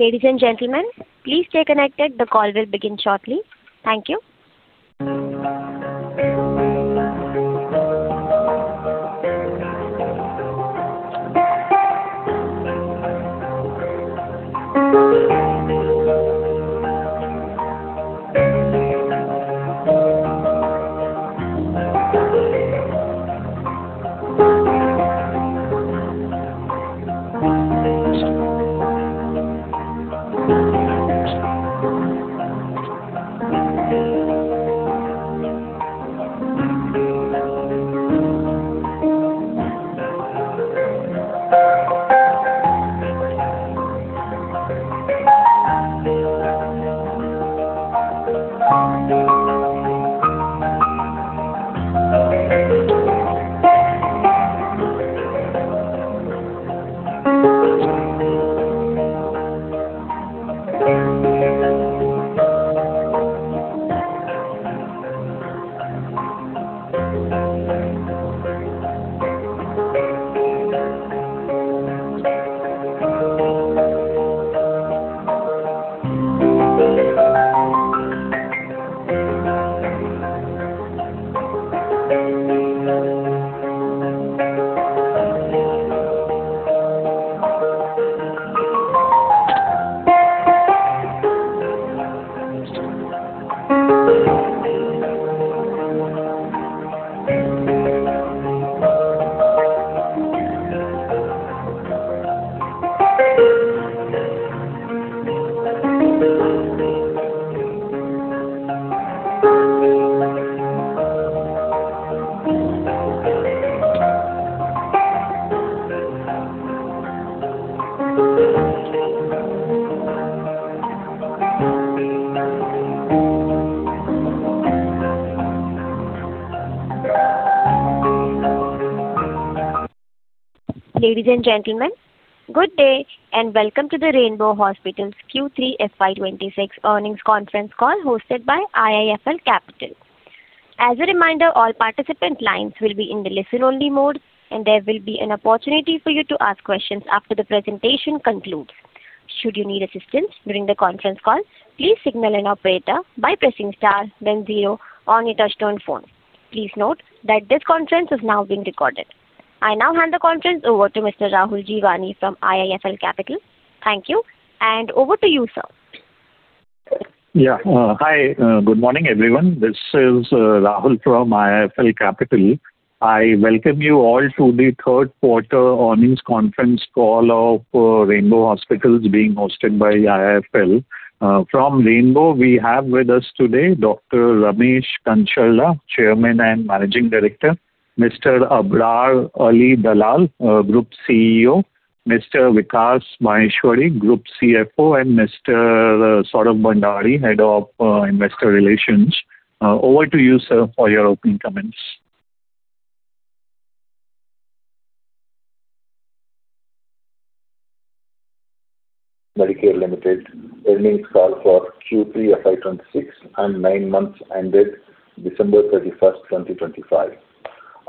Ladies and gentlemen, please stay connected. The call will begin shortly. Thank you. Ladies and gentlemen, good day, and welcome to the Rainbow Hospitals Q3 FY 2026 earnings conference call hosted by IIFL Capital. As a reminder, all participant lines will be in the listen-only mode, and there will be an opportunity for you to ask questions after the presentation concludes. Should you need assistance during the conference call, please signal an operator by pressing star then zero on your touchtone phone. Please note that this conference is now being recorded. I now hand the conference over to Mr. Rahul Jeewani from IIFL Capital. Thank you, and over to you, sir. Yeah. Hi, good morning, everyone. This is Rahul from IIFL Capital. I welcome you all to the Q3 Earnings Conference Call of Rainbow Hospitals being hosted by IIFL. From Rainbow, we have with us today Dr. Ramesh Kancharla, Chairman and Managing Director, Mr. Abrarali Dalal, Group CEO, Mr. Vikas Maheshwari, Group CFO, and Mr. Saurabh Bhandari, Head of Investor Relations. Over to you, sir, for your opening comments. Medicare Limited earnings call for Q3 FY26 and nine months ended December 31, 2025.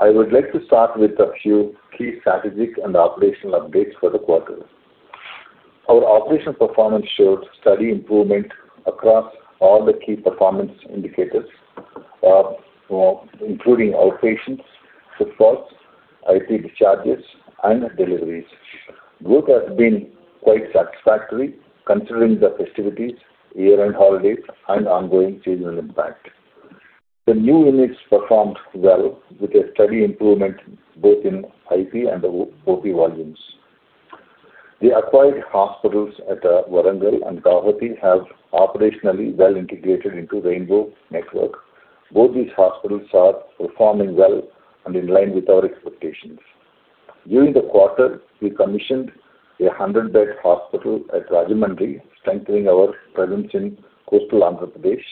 I would like to start with a few key strategic and operational updates for the quarter. Our operational performance showed steady improvement across all the key performance indicators, including outpatients, footfalls, IP discharges, and deliveries. Growth has been quite satisfactory considering the festivities, year-end holidays, and ongoing seasonal impact. The new units performed well, with a steady improvement both in IP and OP volumes. The acquired hospitals at Warangal and Guwahati have operationally well integrated into Rainbow network. Both these hospitals are performing well and in line with our expectations. During the quarter, we commissioned a 100-bed hospital at Rajahmundry, strengthening our presence in coastal Andhra Pradesh.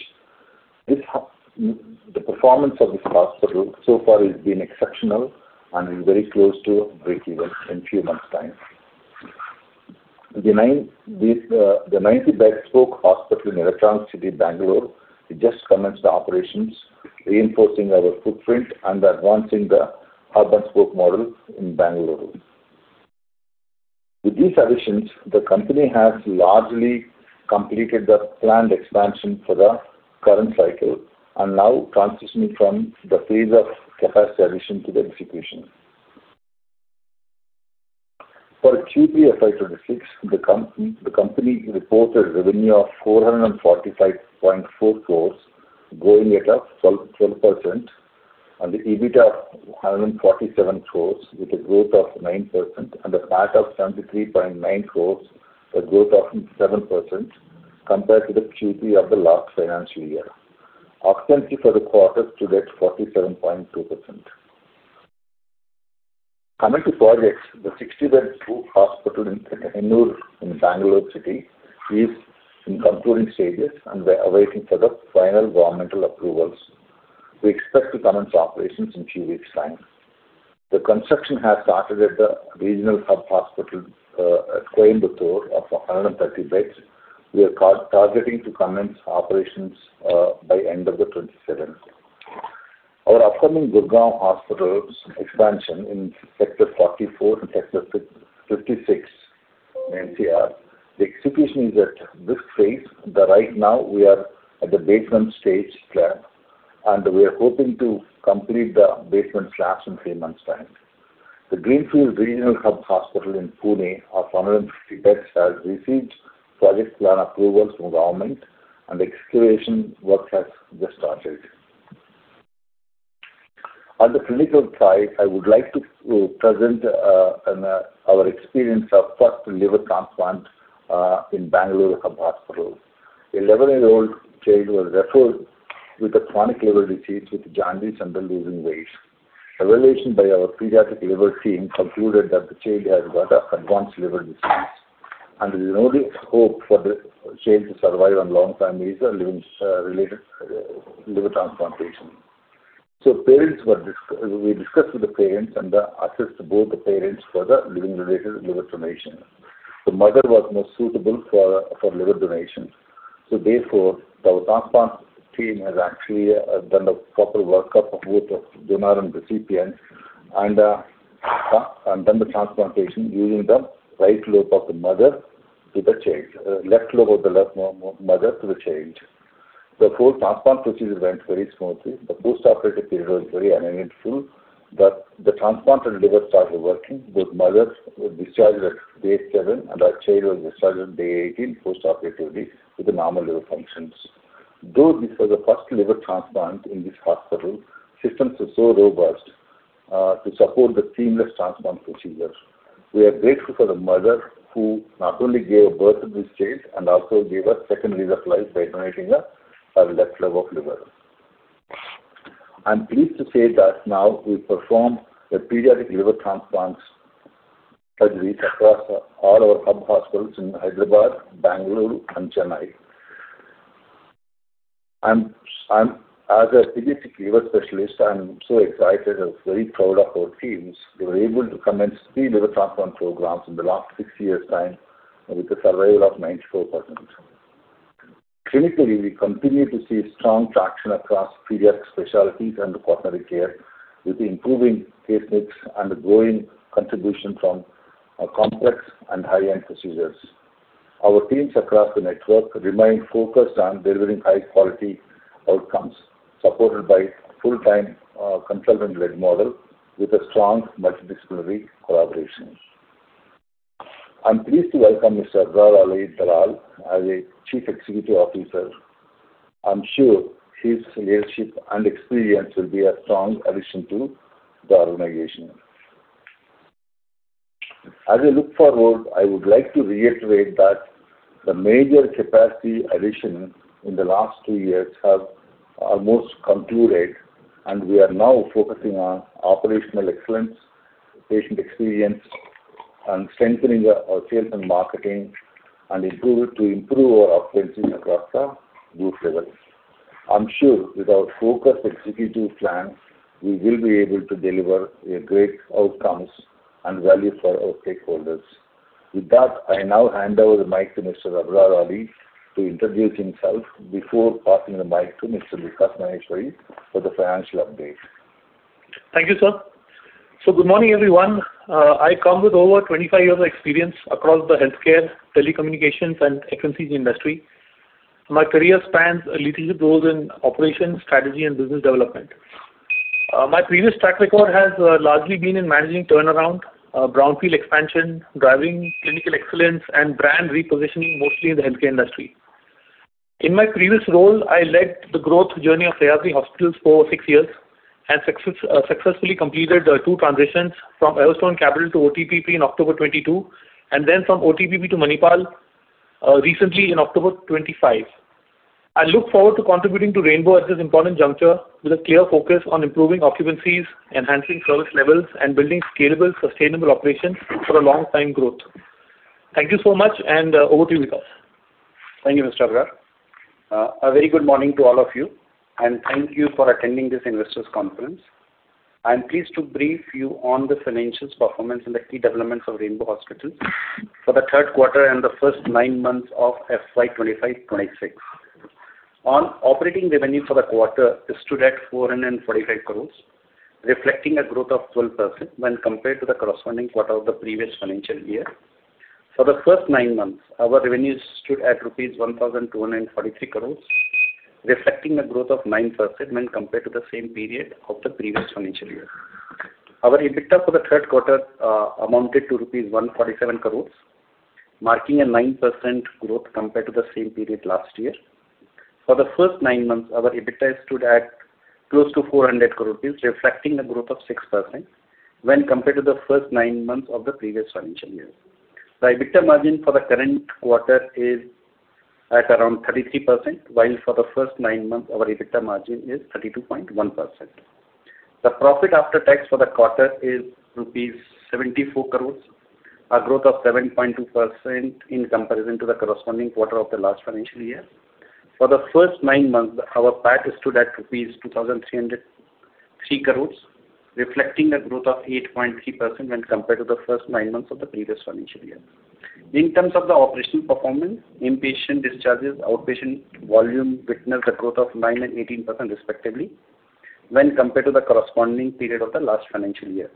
The performance of this hospital so far has been exceptional and is very close to breakeven in few months' time. The 90-bed spoke hospital in Electronics City, Bengaluru, it just commenced the operations, reinforcing our footprint and advancing the urban spoke model in Bengaluru. With these additions, the company has largely completed the planned expansion for the current cycle and now transitioning from the phase of capacity addition to the execution. For Q3 FY26, the company reported revenue of 445.4 crores, growing at 12%, and the EBIT of 147 crores with a growth of 9% and a PAT of 73.9 crores, a growth of 7% compared to the Q3 of the last financial year. Occupancy for the quarter stood at 47.2%. Coming to projects, the 60-bed spoke hospital in Hennur in Bengaluru is in concluding stages, and we're awaiting for the final governmental approvals. We expect to commence operations in few weeks' time. The construction has started at the regional hub hospital at Coimbatore of 130 beds. We are targeting to commence operations by end of 2027. Our upcoming Gurugram hospital's expansion in Sector 44 and Sector 56 NCR, the execution is at this phase, that right now we are at the basement stage slab, and we are hoping to complete the basement slabs in three months' time. The Greenfield Regional Hub Hospital in Pune of 150 beds has received project plan approvals from government, and excavation work has just started. On the clinical side, I would like to present our experience of first liver transplant in Bengaluru Hub Hospital. An 11-year-old child was referred with a chronic liver disease with jaundice and then losing weight. Evaluation by our pediatric liver team concluded that the child had got an advanced liver disease, and the only hope for the child to survive on long time is a living related liver transplantation. So, we discussed with the parents and assessed both the parents for the living-related liver donation. The mother was most suitable for liver donation, so therefore, our transplant team has actually done a proper workup of both the donor and recipient and done the transplantation using the right lobe of the mother to the child, left lobe of the left mother to the child. The whole transplant procedure went very smoothly. The post-operative period was very uneventful, that the transplanted liver started working. Both mothers were discharged at day 7, and our child was discharged on day 18, post-operatively, with the normal liver functions. Though this was the first liver transplant in this hospital, systems were so robust to support the seamless transplant procedure. We are grateful for the mother who not only gave birth to this child and also gave a second lease of life by donating a left lobe of liver. I'm pleased to say that now we perform the pediatric liver transplants surgery across all our hub hospitals in Hyderabad, Bangalore and Chennai. I'm. As a pediatric liver specialist, I'm so excited and very proud of our teams. We were able to commence three liver transplant programs in the last six years' time, and with a survival of 94%. Clinically, we continue to see strong traction across pediatric specialties and the coronary care, with improving case mix and growing contribution from complex and high-end procedures. Our teams across the network remain focused on delivering high-quality outcomes, supported by full-time consultant-led model with a strong multidisciplinary collaboration. I'm pleased to welcome Mr. Abrarali Dalal as a Chief Executive Officer. I'm sure his leadership and experience will be a strong addition to the organization. As we look forward, I would like to reiterate that the major capacity addition in the last two years have almost concluded, and we are now focusing on operational excellence, patient experience, and strengthening our sales and marketing, and to improve our occupancy across the group level. I'm sure with our focused executive plan, we will be able to deliver a great outcomes and value for our stakeholders. With that, I now hand over the mic to Mr. Abrarali Dalal to introduce himself before passing the mic to Mr. Vikas Maheshwari for the financial update. Thank you, sir. So good morning, everyone. I come with over 25 years of experience across the healthcare, telecommunications, and FMCG industry. My career spans leadership roles in operations, strategy, and business development. My previous track record has largely been in managing turnaround, brownfield expansion, driving clinical excellence and brand repositioning, mostly in the healthcare industry. In my previous role, I led the growth journey of Sahyadri Hospitals for 6 years and successfully completed 2 transitions from Everstone Capital to OTPP in October 2022, and then from OTPP to Manipal recently in October 2025. I look forward to contributing to Rainbow at this important juncture, with a clear focus on improving occupancies, enhancing service levels, and building scalable, sustainable operations for a long time growth. Thank you so much, and over to you, Vikas. Thank you, Mr. Abrarali. A very good morning to all of you, and thank you for attending this investors' conference. I'm pleased to brief you on the financial performance and the key developments of Rainbow Hospitals for the Q3 and the first 9 months of FY 2025-26. Our operating revenue for the quarter stood at 445 crores, reflecting a growth of 12% when compared to the corresponding quarter of the previous financial year. For the first 9 months, our revenues stood at rupees 1,243 crores, reflecting a growth of 9% when compared to the same period of the previous financial year. Our EBITDA for the Q3 amounted to rupees 147 crores, marking a 9% growth compared to the same period last year. For the first nine months, our EBITDA stood at close to 400 crore rupees, reflecting a growth of 6% when compared to the first nine months of the previous financial year. The EBITDA margin for the current quarter is at around 33%, while for the first nine months, our EBITDA margin is 32.1%. The profit after tax for the quarter is rupees 74 crore, a growth of 7.2% in comparison to the corresponding quarter of the last financial year. For the first nine months, our PAT stood at rupees 2,303 crore, reflecting a growth of 8.3% when compared to the first nine months of the previous financial year. In terms of the operational performance, inpatient discharges, outpatient volume witnessed a growth of 9% and 18% respectively, when compared to the corresponding period of the last financial year.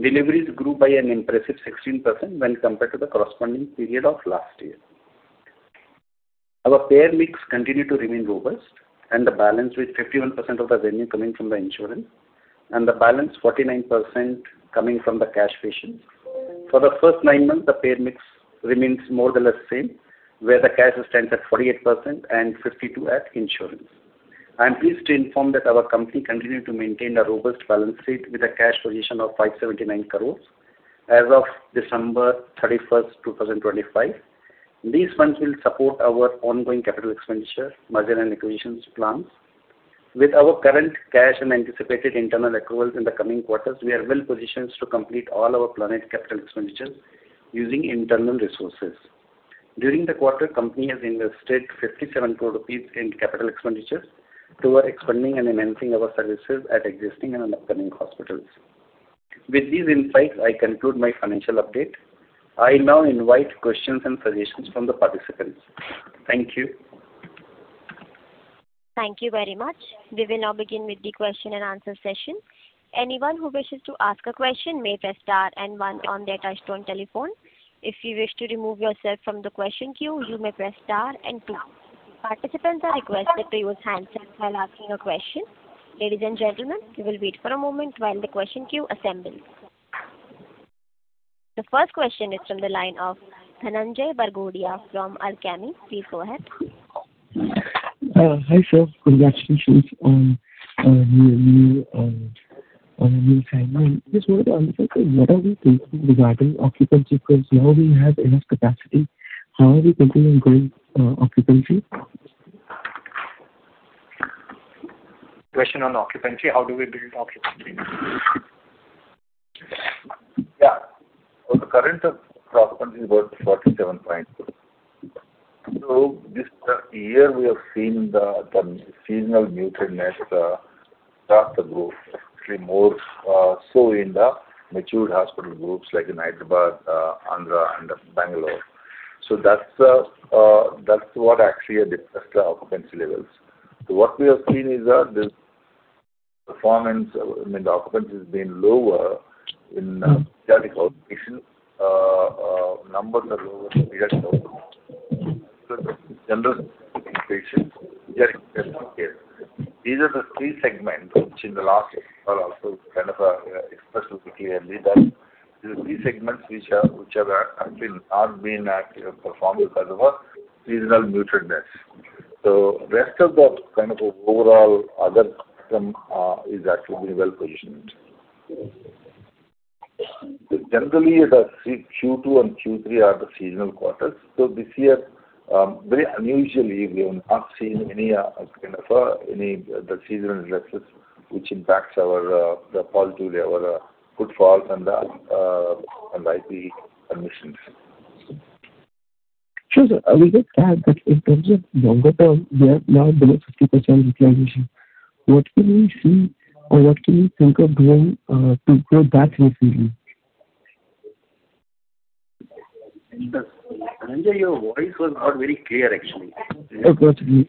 Deliveries grew by an impressive 16% when compared to the corresponding period of last year. Our payer mix continued to remain robust, and the balance with 51% of the revenue coming from the insurance, and the balance 49% coming from the cash patients. For the first nine months, the payer mix remains more or less the same, where the cash stands at 48% and 52% at insurance. I'm pleased to inform that our company continued to maintain a robust balance sheet with a cash position of 579 crore as of December 31st, 2025. These funds will support our ongoing capital expenditure, merger, and acquisitions plans. With our current cash and anticipated internal accruals in the coming quarters, we are well positioned to complete all our planned capital expenditures using internal resources. During the quarter, company has invested 57 crore rupees in capital expenditures toward expanding and enhancing our services at existing and upcoming hospitals. With these insights, I conclude my financial update. I now invite questions and suggestions from the participants. Thank you. Thank you very much. We will now begin with the question and answer session. Anyone who wishes to ask a question may press star and one on their touchtone telephone. If you wish to remove yourself from the question queue, you may press star and two. Participants are requested to use handsets while asking a question. Ladies and gentlemen, we will wait for a moment while the question queue assembles. The first question is from the line of Dhananjay Bagrodia from Alchemy. Please go ahead. Hi, sir. Congratulations on your new family. Just wanted to understand, what are we thinking regarding occupancy, because now we have enough capacity, how are we thinking on growing occupancy? Question on occupancy: How do we build occupancy? Yeah. Well, the current occupancy is about 47. So this year, we have seen the seasonal mutedness across the group, actually more so in the mature hospital groups, like in Hyderabad, Andhra and Bangalore. So that's what actually affected the occupancy levels. So what we have seen is that this performance, I mean, the occupancy has been lower in cardiac outpatient numbers are lower than we expected. So general patients... These are the three segments which in the last quarter also kind of expressed clearly that these are three segments which are being actually performed because of a seasonal mutedness. So rest of the kind of overall other system is actually very well positioned. Generally, the Q2 and Q3 are the seasonal quarters. So this year, very unusually, we have not seen any kind of seasonal diseases, which impacts our footfall and IP admissions. Sure, sir. I will just add that in terms of longer term, we are now below 50% utilization. What can we see or what can we think of doing to go back recently? Dhananjay, your voice was not very clear, actually. Okay.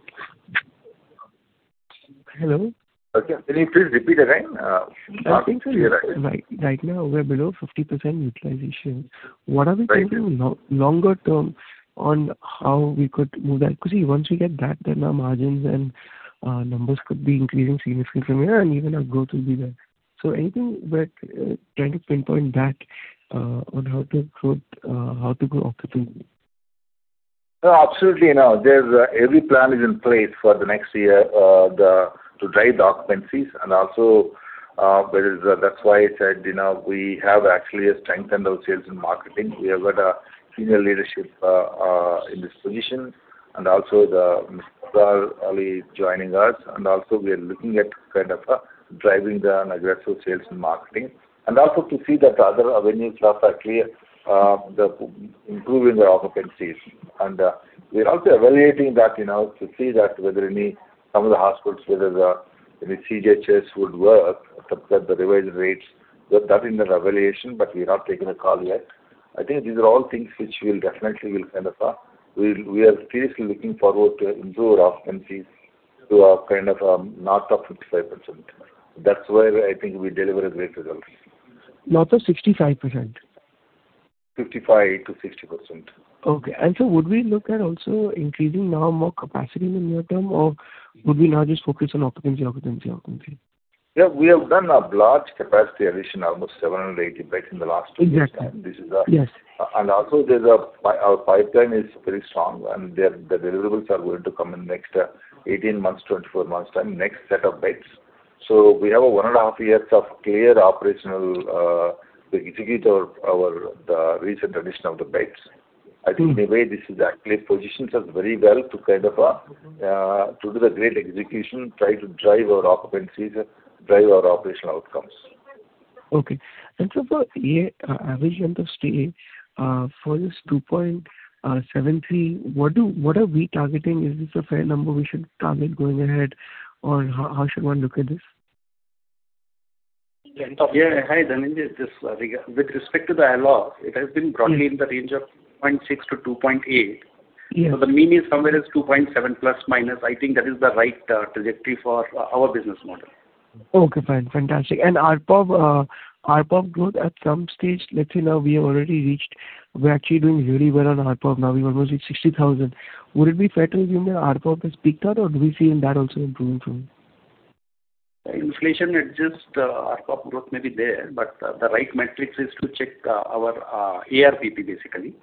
Hello? Okay, can you please repeat again? Not clear. I think right, right now, we're below 50% utilization. Right. What are we thinking long, longer term on how we could move that? Because once we get that, then our margins and numbers could be increasing significantly, and even our growth will be there. So anything we're trying to pinpoint back on how to improve, how to grow occupancy? No, absolutely, you know, there's every plan in place for the next year to drive the occupancies and also, there is that's why I said, you know, we have actually strengthened our sales and marketing. We have got a senior leadership in this position, and also the Mr. Ali joining us. And also we are looking at kind of driving an aggressive sales and marketing, and also to see that the other avenues are actually the improving the occupancies. And, we're also evaluating that, you know, to see that whether any, some of the hospitals, whether the any CGHS would work, at the revised rates. So that is in the evaluation, but we have not taken a call yet. I think these are all things which we'll definitely kind of, we'll- we are seriously looking forward to improve our occupancies to a kind of, north of 55%. That's where I think we deliver a great result. North of 65%? 55%-60%. Okay. And so would we look at also increasing now more capacity in the near term, or would we now just focus on occupancy, occupancy, occupancy? Yeah, we have done a large capacity addition, almost 780 beds in the last 2 years. Exactly. This is a- Yes. Also, there's our pipeline is very strong, and the deliverables are going to come in next 18 months, 24 months time, next set of beds. So we have a 1.5 years of clear operational to execute our the recent addition of the beds. Mm. I think, anyway, this actually positions us very well to kind of to do the great execution, try to drive our occupancies and drive our operational outcomes. Okay. And so the average length of stay for this 2.70, what are we targeting? Is this a fair number we should target going ahead, or how should one look at this? Yeah. Hi, Dhananjay, this is Vikas. With respect to the ALOS, it has been brought in the range of 0.6 to 2.8. Yeah. The mean is somewhere 2.7 ±. I think that is the right trajectory for our business model. Okay, fine. Fantastic. ARPOB growth at some stage, let's say now we have already reached. We're actually doing very well on ARPOB now. We're almost at 60,000. Would it be fair to assume that ARPOB has peaked out, or do we see in that also improving from? The inflation-adjusted ARPOB growth may be there, but the right metric is to check our ARPP, basically.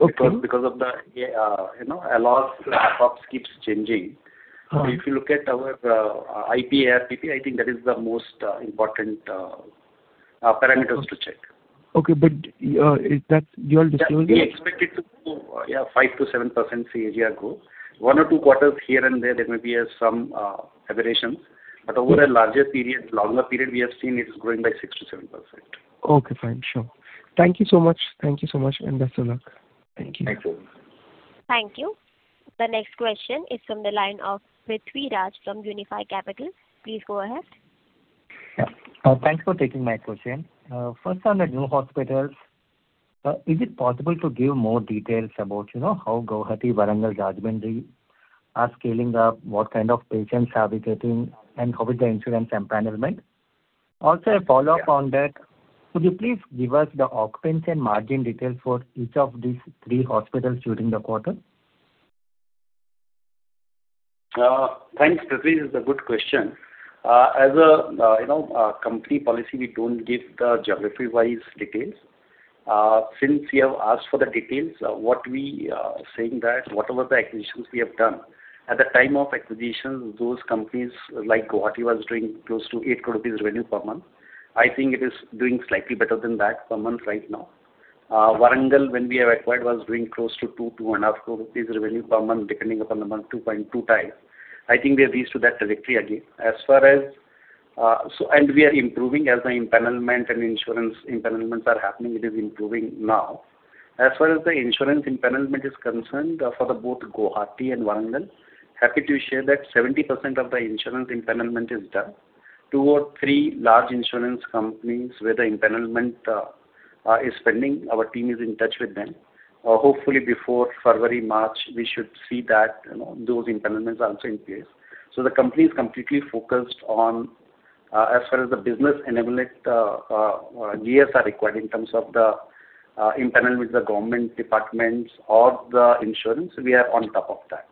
Okay. Because of the, you know, a lot of ARPOBs keeps changing. Uh-huh. So if you look at our IP ARPP, I think that is the most important parameters to check. Okay, but, is that your disclosure? We expect it to, yeah, 5%-7% CAGR growth. One or two quarters here and there, there may be some aberrations. But over a larger period, longer period, we have seen it is growing by 6%-7%. Okay, fine. Sure. Thank you so much. Thank you so much, and best of luck. Thank you. Thanks a lot. Thank you. The next question is from the line of Prithvi Raj from Unifi Capital. Please go ahead. Yeah. Thanks for taking my question. First on the new hospitals, is it possible to give more details about, you know, how Guwahati, Warangal, Rajahmundry are scaling up, what kind of patients are we getting, and how is the insurance empanelment? Also, a follow-up on that: Would you please give us the occupancy and margin details for each of these three hospitals during the quarter? Thanks, Prithvi, it's a good question. As a, you know, company policy, we don't give the geography-wise details. Since you have asked for the details, what we saying that whatever the acquisitions we have done, at the time of acquisition, those companies, like Guwahati, was doing close to 8 crore rupees revenue per month. I think it is doing slightly better than that per month right now. Warangal, when we have acquired, was doing close to 2 crore-2.5 crore rupees revenue per month, depending upon the month, 2.2 times. I think we have reached to that trajectory again. As far as... And we are improving as the empanelment and insurance empanelments are happening, it is improving now. As far as the insurance empanelment is concerned, for both Guwahati and Warangal, happy to share that 70% of the insurance empanelment is done. Two or three large insurance companies, where the empanelment is pending, our team is in touch with them. Hopefully before February, March, we should see that, you know, those empanelments are also in place. So the company is completely focused on, as far as the business enablement, years are required in terms of the, empanel with the government departments or the insurance, we are on top of that.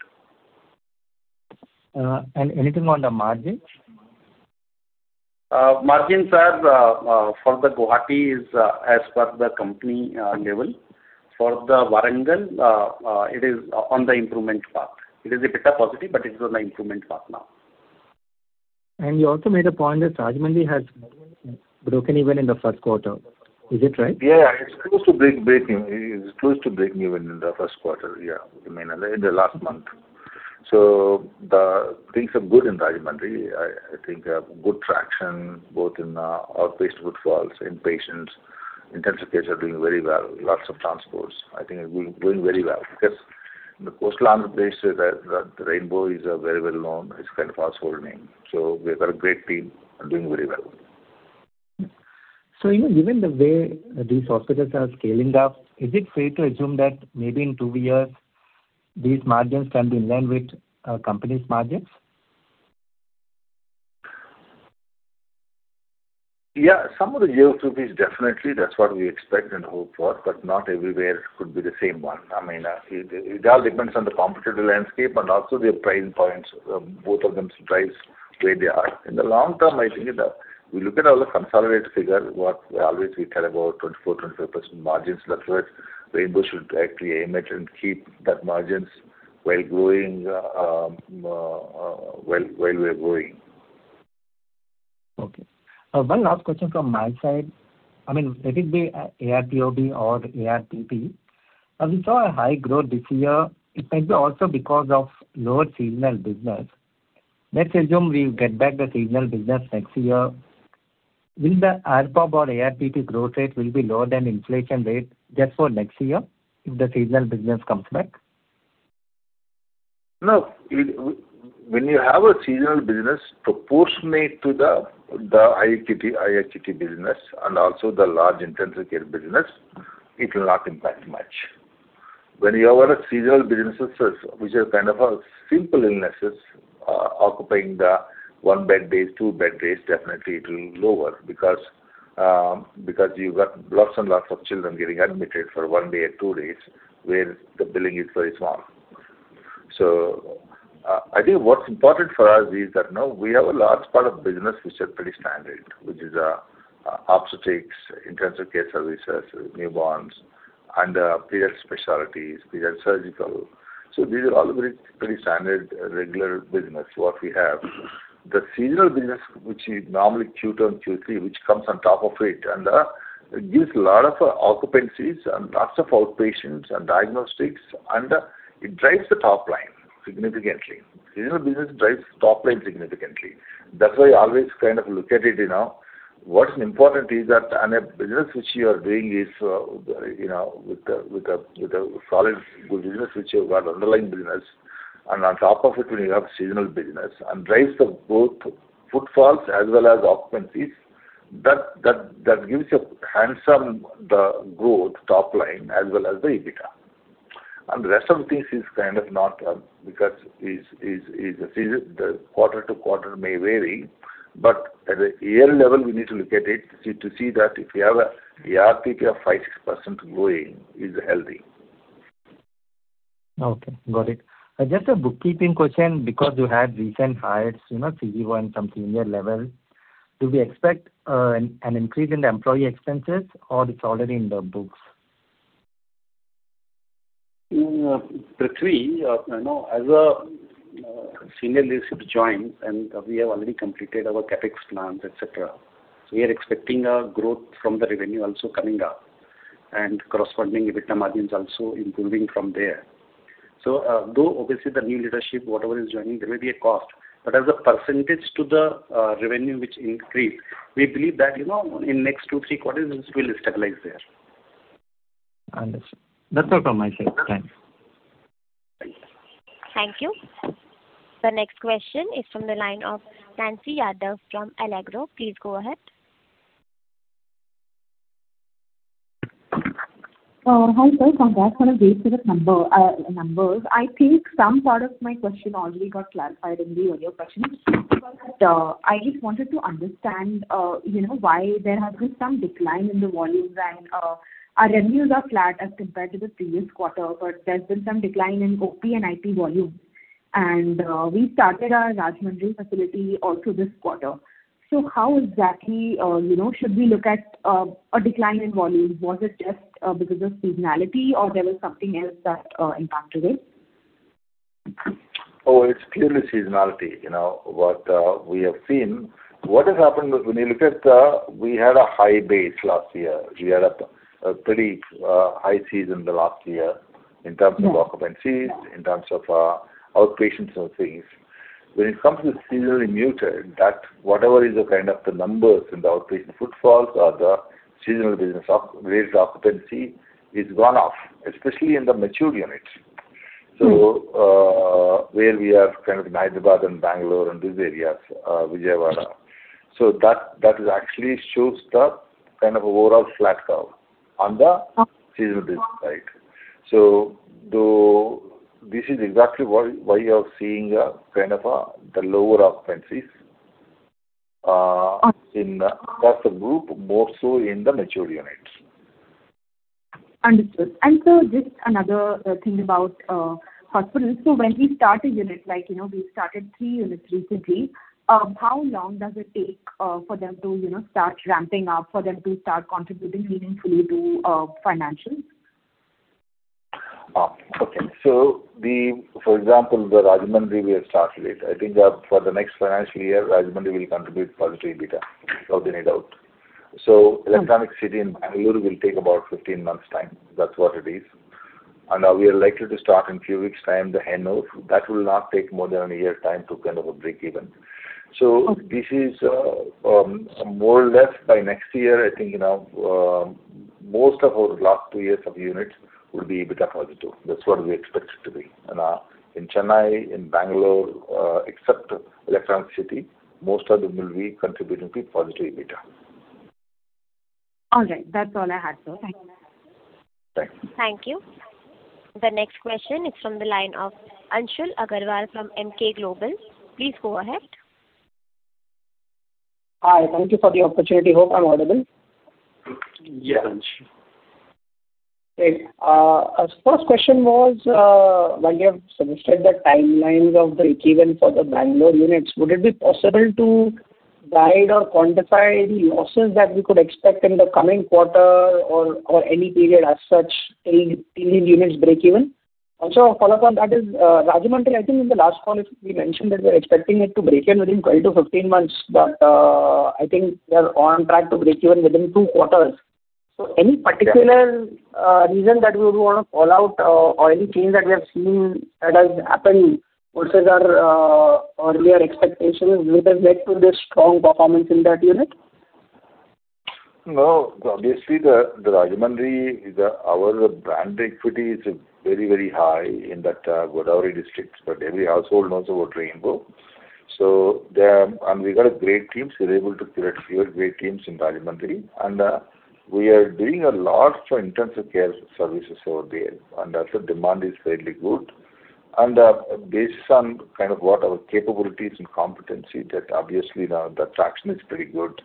Anything on the margins? Margins are for the Guwahati is as per the company level. For the Warangal, it is on the improvement path. It is a bit of positive, but it is on the improvement path now. You also made a point that Rajahmundry has broken even in the Q1. Is it right? Yeah, it's close to breaking even in the Q1, yeah, I mean, in the last month. So things are good in Rajahmundry. I think they have good traction, both in outpatient footfalls, inpatients. Intensive care is doing very well, lots of transports. I think it's doing very well, because in the coastal Andhra, the Rainbow is very well-known, it's kind of household name. So we've got a great team and doing very well. So even given the way these hospitals are scaling up, is it fair to assume that maybe in two years, these margins can be in line with company's margins? Yeah, some of the years will be definitely. That's what we expect and hope for, but not everywhere could be the same one. I mean, it all depends on the competitive landscape and also their pricing points, both of them drives where they are. In the long term, I think we look at all the consolidated figures, what we always tell about 24%-25% margins. That's where Rainbow should actually aim at and keep that margins, while growing, while we are growing. Okay. One last question from my side. I mean, let it be, ARPOB or ARPP. We saw a high growth this year. It might be also because of lower seasonal business. Let's assume we get back the seasonal business next year. Will the ARPOB or ARPP growth rate will be lower than inflation rate, just for next year, if the seasonal business comes back? No, it when you have a seasonal business, proportionately to the IP business and also the large intensive care business, it will not impact much. When you have seasonal businesses, which are kind of simple illnesses, occupying the 1 bed days, 2 bed days, definitely it will lower. Because you got lots and lots of children getting admitted for 1 day or 2 days, where the billing is very small. So, I think what's important for us is that now we have a large part of business which are pretty standard, which is obstetrics, intensive care services, newborns, and pediatric specialties, pediatric surgical. So these are all very pretty standard, regular business, what we have. The seasonal business, which is normally Q2 and Q3, which comes on top of it, and it gives a lot of occupancies and lots of outpatients and diagnostics, and it drives the top line significantly. Seasonal business drives top line significantly. That's why you always kind of look at it, you know. What's important is that, and a business which you are doing is, you know, with a solid good business, which you've got underlying business and on top of it, when you have seasonal business, and drives the both footfalls as well as occupancies, that gives you a handsome, the growth top line as well as the EBITDA. The rest of the things is kind of not, because it is the season, the quarter-to-quarter may vary, but at a year level, we need to look at it to see that if you have the RTP of 5-6% growing is healthy. Okay, got it. Just a bookkeeping question, because you had recent hires, you know, CG one, some senior level. Do we expect an increase in the employee expenses or it's already in the books? In Prithvi, you know, as a senior leadership joins, and we have already completed our CapEx plans, et cetera. We are expecting a growth from the revenue also coming up, and corresponding EBITDA margins also improving from there. So, though obviously the new leadership, whatever is joining, there may be a cost, but as a percentage to the revenue which increased, we believe that, you know, in next two, three quarters, this will stabilize there. I understand. That's all from my side. Thank you. Thank you. The next question is from the line of Nancy Yadav from Allegro. Please go ahead. Hi, sir. Congrats on a great set of numbers. I think some part of my question already got clarified in the earlier question. But, I just wanted to understand, you know, why there has been some decline in the volumes, and, our revenues are flat as compared to the previous quarter, but there's been some decline in OP and IP volumes. And, we started our Rajahmundry facility also this quarter. So how exactly, you know, should we look at, a decline in volume? Was it just, because of seasonality or there was something else that, impacted it? Oh, it's purely seasonality. You know, what we have seen. What has happened is, when you look at, we had a high base last year. We had a pretty high season in the last year in terms of- Yeah. occupancies, in terms of outpatients and things. When it comes to seasonally muted, that whatever is the kind of the numbers in the outpatient footfalls or the seasonal business occupancy rates, occupancy, is gone off, especially in the mature units. Mm. So, where we are kind of Hyderabad and Bangalore and these areas, Vijayawada. So that, that actually shows the kind of overall flat curve on the- Okay. seasonal business side. So though this is exactly why, why you are seeing, kind of, the lower occupancies, Okay. in across the group, more so in the mature units. Understood. Just another thing about hospitals. When we start a unit, like, you know, we started three units recently, how long does it take for them to, you know, start ramping up, for them to start contributing meaningfully to financials? Okay. So, for example, the Rajahmundry we have started it. I think, for the next financial year, Rajahmundry will contribute positive EBITDA, without any doubt. So- Mm. Electronic City in Bangalore will take about 15 months time. That's what it is. And, we are likely to start in a few weeks time, the Hennur. That will not take more than a year's time to kind of a breakeven. So this is, more or less by next year, I think, you know, most of our last two years of units will be EBITDA positive. That's what we expect it to be. And, in Chennai, in Bangalore, except Electronic City, most of them will be contributing to positive EBITDA. All right. That's all I had, sir. Thank you. Thanks. Thank you. The next question is from the line of Anshul Agrawal from Emkay Global. Please go ahead. Hi. Thank you for the opportunity. Hope I'm audible. Yes, Anshul. Great. Our first question was, while you have suggested the timelines of the breakeven for the Bangalore units, would it be possible to guide or quantify the losses that we could expect in the coming quarter or, or any period as such, till, till these units breakeven? Also, a follow-up on that is, Rajahmundry, I think in the last call, if we mentioned that we're expecting it to breakeven within 12-15 months, but, I think we are on track to breakeven within two quarters. So any particular, reason that you would want to call out, or any change that we have seen that has happened versus our, earlier expectations, which has led to this strong performance in that unit? No, obviously, the Rajahmundry, our brand equity is very, very high in that Godavari district, that every household knows about Rainbow. So there, and we got a great teams. We're able to create great teams in Rajahmundry, and we are doing a lot of intensive care services over there, and also demand is fairly good. And, based on kind of what our capabilities and competency, that obviously now the traction is pretty good,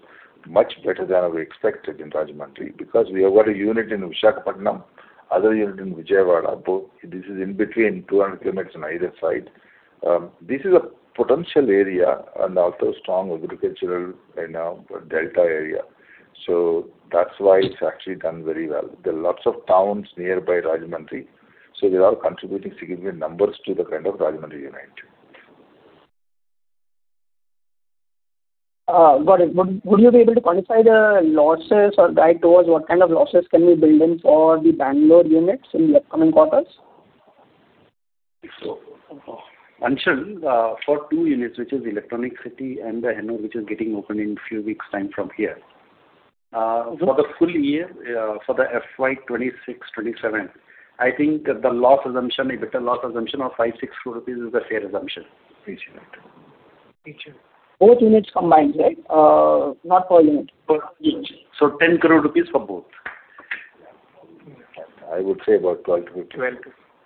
much better than we expected in Rajahmundry. Because we have got a unit in Visakhapatnam, other unit in Vijayawada. Both, this is in between 200 kilometers on either side. This is a potential area and also strong agricultural, you know, delta area. So that's why it's actually done very well. There are lots of towns nearby Rajahmundry, so they are contributing significant numbers to the kind of Rajahmundry unit. Got it. Would you be able to quantify the losses or guide towards what kind of losses can we build in for the Bangalore units in the upcoming quarters? So, Anshul, for two units, which is Electronics City and the Hennur, which is getting opened in a few weeks' time from here? ... for the full year, for the FY 2026-2027, I think that the loss assumption, EBITDA loss assumption of 5-6 crore rupees is a fair assumption. Got you. Both units combined, right? Not per unit. Per each. So 10 crore rupees for both. I would say about 12 to- Twelve.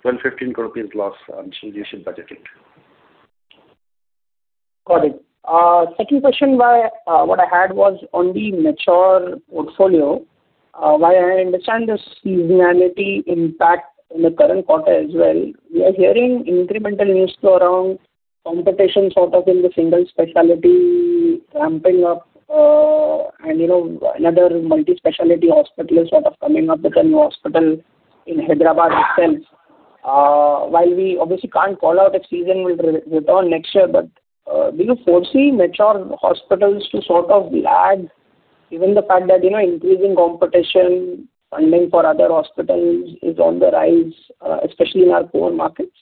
1,215 crore rupees loss, you should budget it. Got it. Second question. What I had was on the mature portfolio, while I understand the seasonality impact in the current quarter as well. We are hearing incremental news flow around competition, sort of, in the single specialty ramping up, and, you know, another multi-specialty hospital is sort of coming up with a new hospital in Hyderabad itself. While we obviously can't call out if season will re-return next year, but do you foresee mature hospitals to sort of lag, given the fact that, you know, increasing competition, funding for other hospitals is on the rise, especially in our core markets?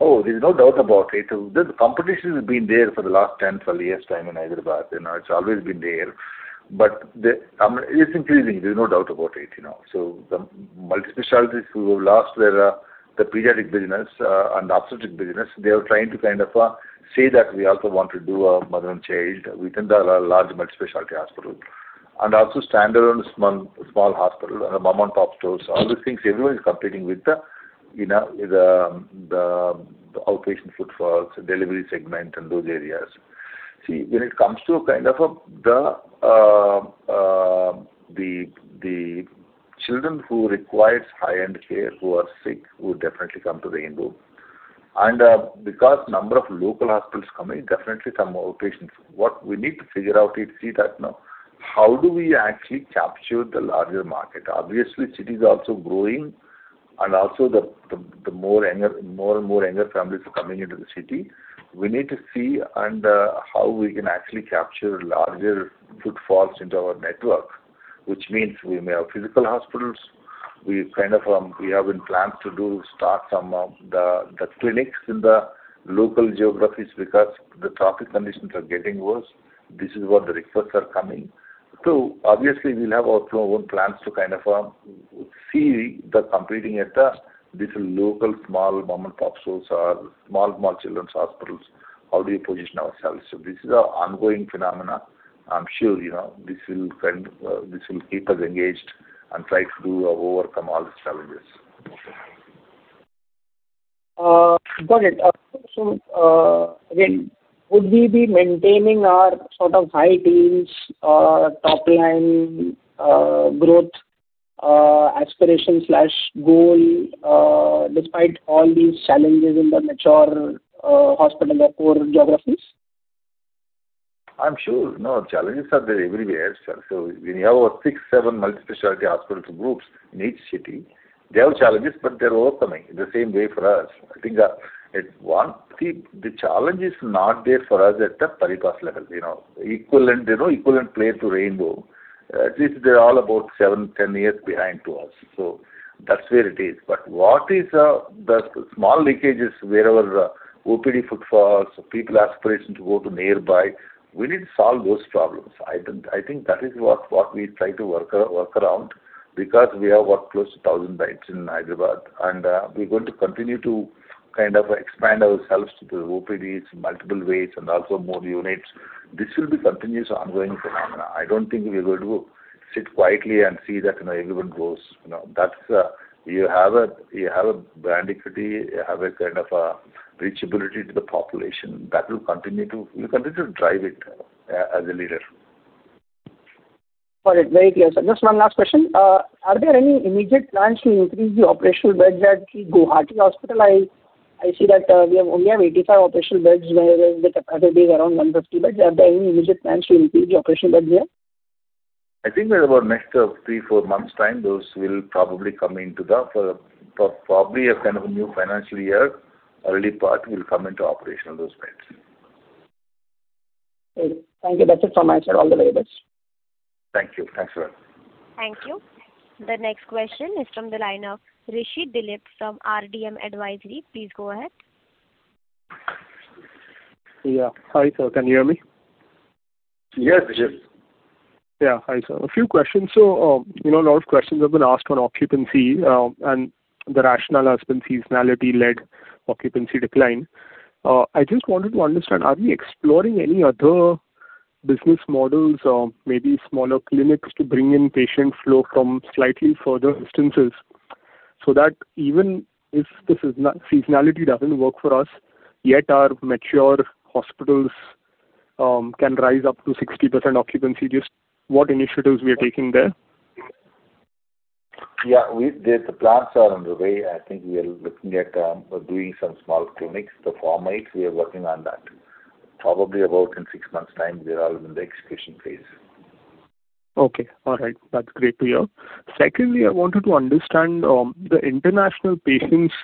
Oh, there's no doubt about it. The competition has been there for the last 10, 12 years' time in Hyderabad, you know, it's always been there. But it's increasing, there's no doubt about it, you know. So the multi-specialties who have lost their pediatric business and obstetric business, they are trying to kind of say that we also want to do a mother and child within the large multi-specialty hospital. And also standalone small hospital, and mom-and-pop stores. All these things, everyone is competing with the, you know, the outpatient footfalls, delivery segment, and those areas. See, when it comes to kind of the children who requires high-end care, who are sick, who definitely come to the Rainbow, and because number of local hospitals coming, definitely some outpatients. What we need to figure out is see that, now, how do we actually capture the larger market? Obviously, city is also growing, and also the more younger, more and more younger families are coming into the city. We need to see and how we can actually capture larger footfalls into our network, which means we may have physical hospitals. We kind of we have been planned to do start some the clinics in the local geographies because the traffic conditions are getting worse. This is where the requests are coming. So obviously, we'll have our own plans to kind of see the competing at the different local, small mom-and-pop stores or small children's hospitals. How do we position ourselves? So this is an ongoing phenomena. I'm sure, you know, this will keep us engaged and try to overcome all these challenges. Got it. So, then would we be maintaining our sort of high teens top line growth aspiration/goal despite all these challenges in the mature hospital or core geographies? I'm sure. No, challenges are there everywhere, sir. So when you have six, seven multi-specialty hospital groups in each city, they have challenges, but they're overcoming, the same way for us. I think it wasn't the challenge is not there for us at the pari passu level, you know. Equivalent, you know, equivalent player to Rainbow. At least they're all about seven, 10 years behind to us. So that's where it is. But what is the small leakages, wherever OPD footfalls, people aspiration to go to nearby, we need to solve those problems. I don't think that is what we try to work around, because we have, what? Close to 1,000 beds in Hyderabad, and we're going to continue to kind of expand ourselves to the OPDs, multiple ways, and also more units. This will be continuous, ongoing phenomena. I don't think we're going to sit quietly and see that, you know, everyone goes, you know. That's, you have a, you have a brand equity, you have a kind of a reachability to the population, that will continue to, we continue to drive it, as a leader. Got it. Very clear, sir. Just one last question. Are there any immediate plans to increase the operational beds at the Guwahati hospital? I see that we only have 85 operational beds, where the capacity is around 150 beds. Are there any immediate plans to increase the operational beds there? I think that about next 3-4 months' time, those will probably come into the... for probably a kind of a new financial year, early part, will come into operation of those beds. Great. Thank you. That's it from my side. All the very best. Thank you. Thanks a lot. Thank you. The next question is from the line of Rishi Dilip, from RDM Advisory. Please go ahead. Yeah. Hi, sir, can you hear me? Yes, Rishi. Yeah. Hi, sir. A few questions. So, you know, a lot of questions have been asked on occupancy, and the rationale has been seasonality-led occupancy decline. I just wanted to understand, are we exploring any other business models or maybe smaller clinics to bring in patient flow from slightly further distances, so that even if seasonality doesn't work for us, yet our mature hospitals can rise up to 60% occupancy, just what initiatives we are taking there? Yeah, the plans are on the way. I think we are looking at doing some small clinics, the formats. We are working on that. Probably about in six months' time, we are in the execution phase. Okay, all right. That's great to hear. Secondly, I wanted to understand, the international patients,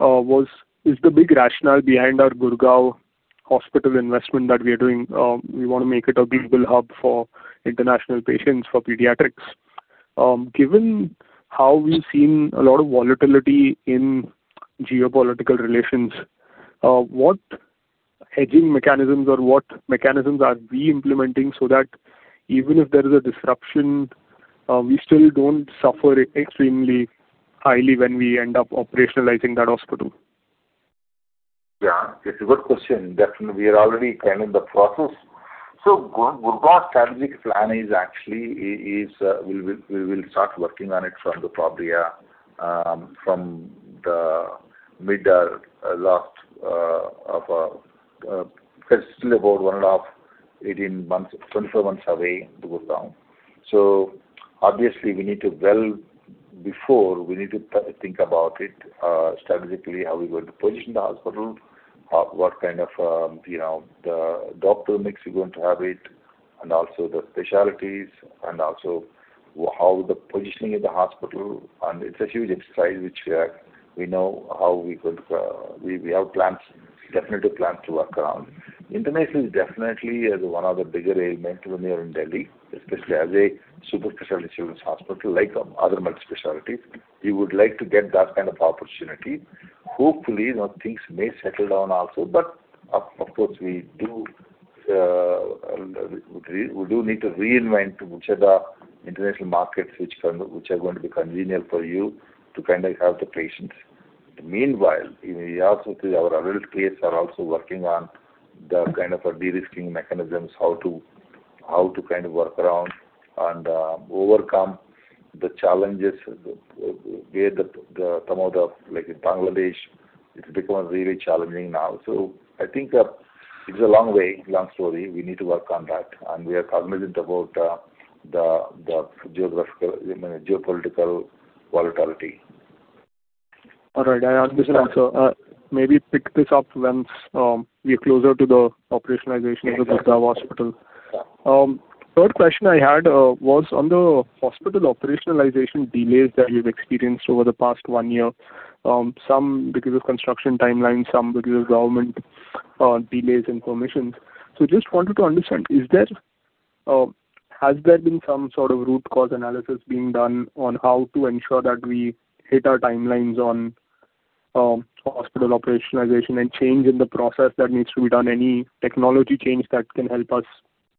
is the big rationale behind our Gurugram hospital investment that we are doing, we want to make it a global hub for international patients for pediatrics? Given how we've seen a lot of volatility in geopolitical relations, what hedging mechanisms or what mechanisms are we implementing so that even if there is a disruption, we still don't suffer extremely highly when we end up operationalizing that hospital? Yeah, it's a good question. Definitely, we are already kind of in the process. So Gurugram strategic plan is actually, we will start working on it from probably the mid or last of, still about 1.5, 18 months, 24 months away to go down. So obviously, we need to, well, before we need to think about it strategically, how we're going to position the hospital, what kind of, you know, the doctor mix we're going to have it, and also the specialties, and also how the positioning of the hospital. And it's a huge exercise which we know how we could, we have plans, definitive plans to work around. International is definitely as one of the bigger element when you're in Delhi, especially as a super specialty children's hospital, like other multi-specialty. We would like to get that kind of opportunity. Hopefully, you know, things may settle down also, but of course, we do need to reinvent which are the international markets which kind of—which are going to be convenient for you to kind of have the patients. Meanwhile, we also, our adult case are also working on the kind of a de-risking mechanisms, how to kind of work around and overcome the challenges, where the some of the... Like in Bangladesh, it's become really challenging now. So I think, it's a long way, long story. We need to work on that, and we are committed about the geographical, geopolitical volatility. All right. I understand, sir. Maybe pick this up once we're closer to the operationalization of the Gurgaon hospital. Yeah. Third question I had was on the hospital operationalization delays that you've experienced over the past one year. Some because of construction timeline, some because of government delays and permissions. Just wanted to understand, is there, has there been some sort of root cause analysis being done on how to ensure that we hit our timelines on hospital operationalization and change in the process that needs to be done? Any technology change that can help us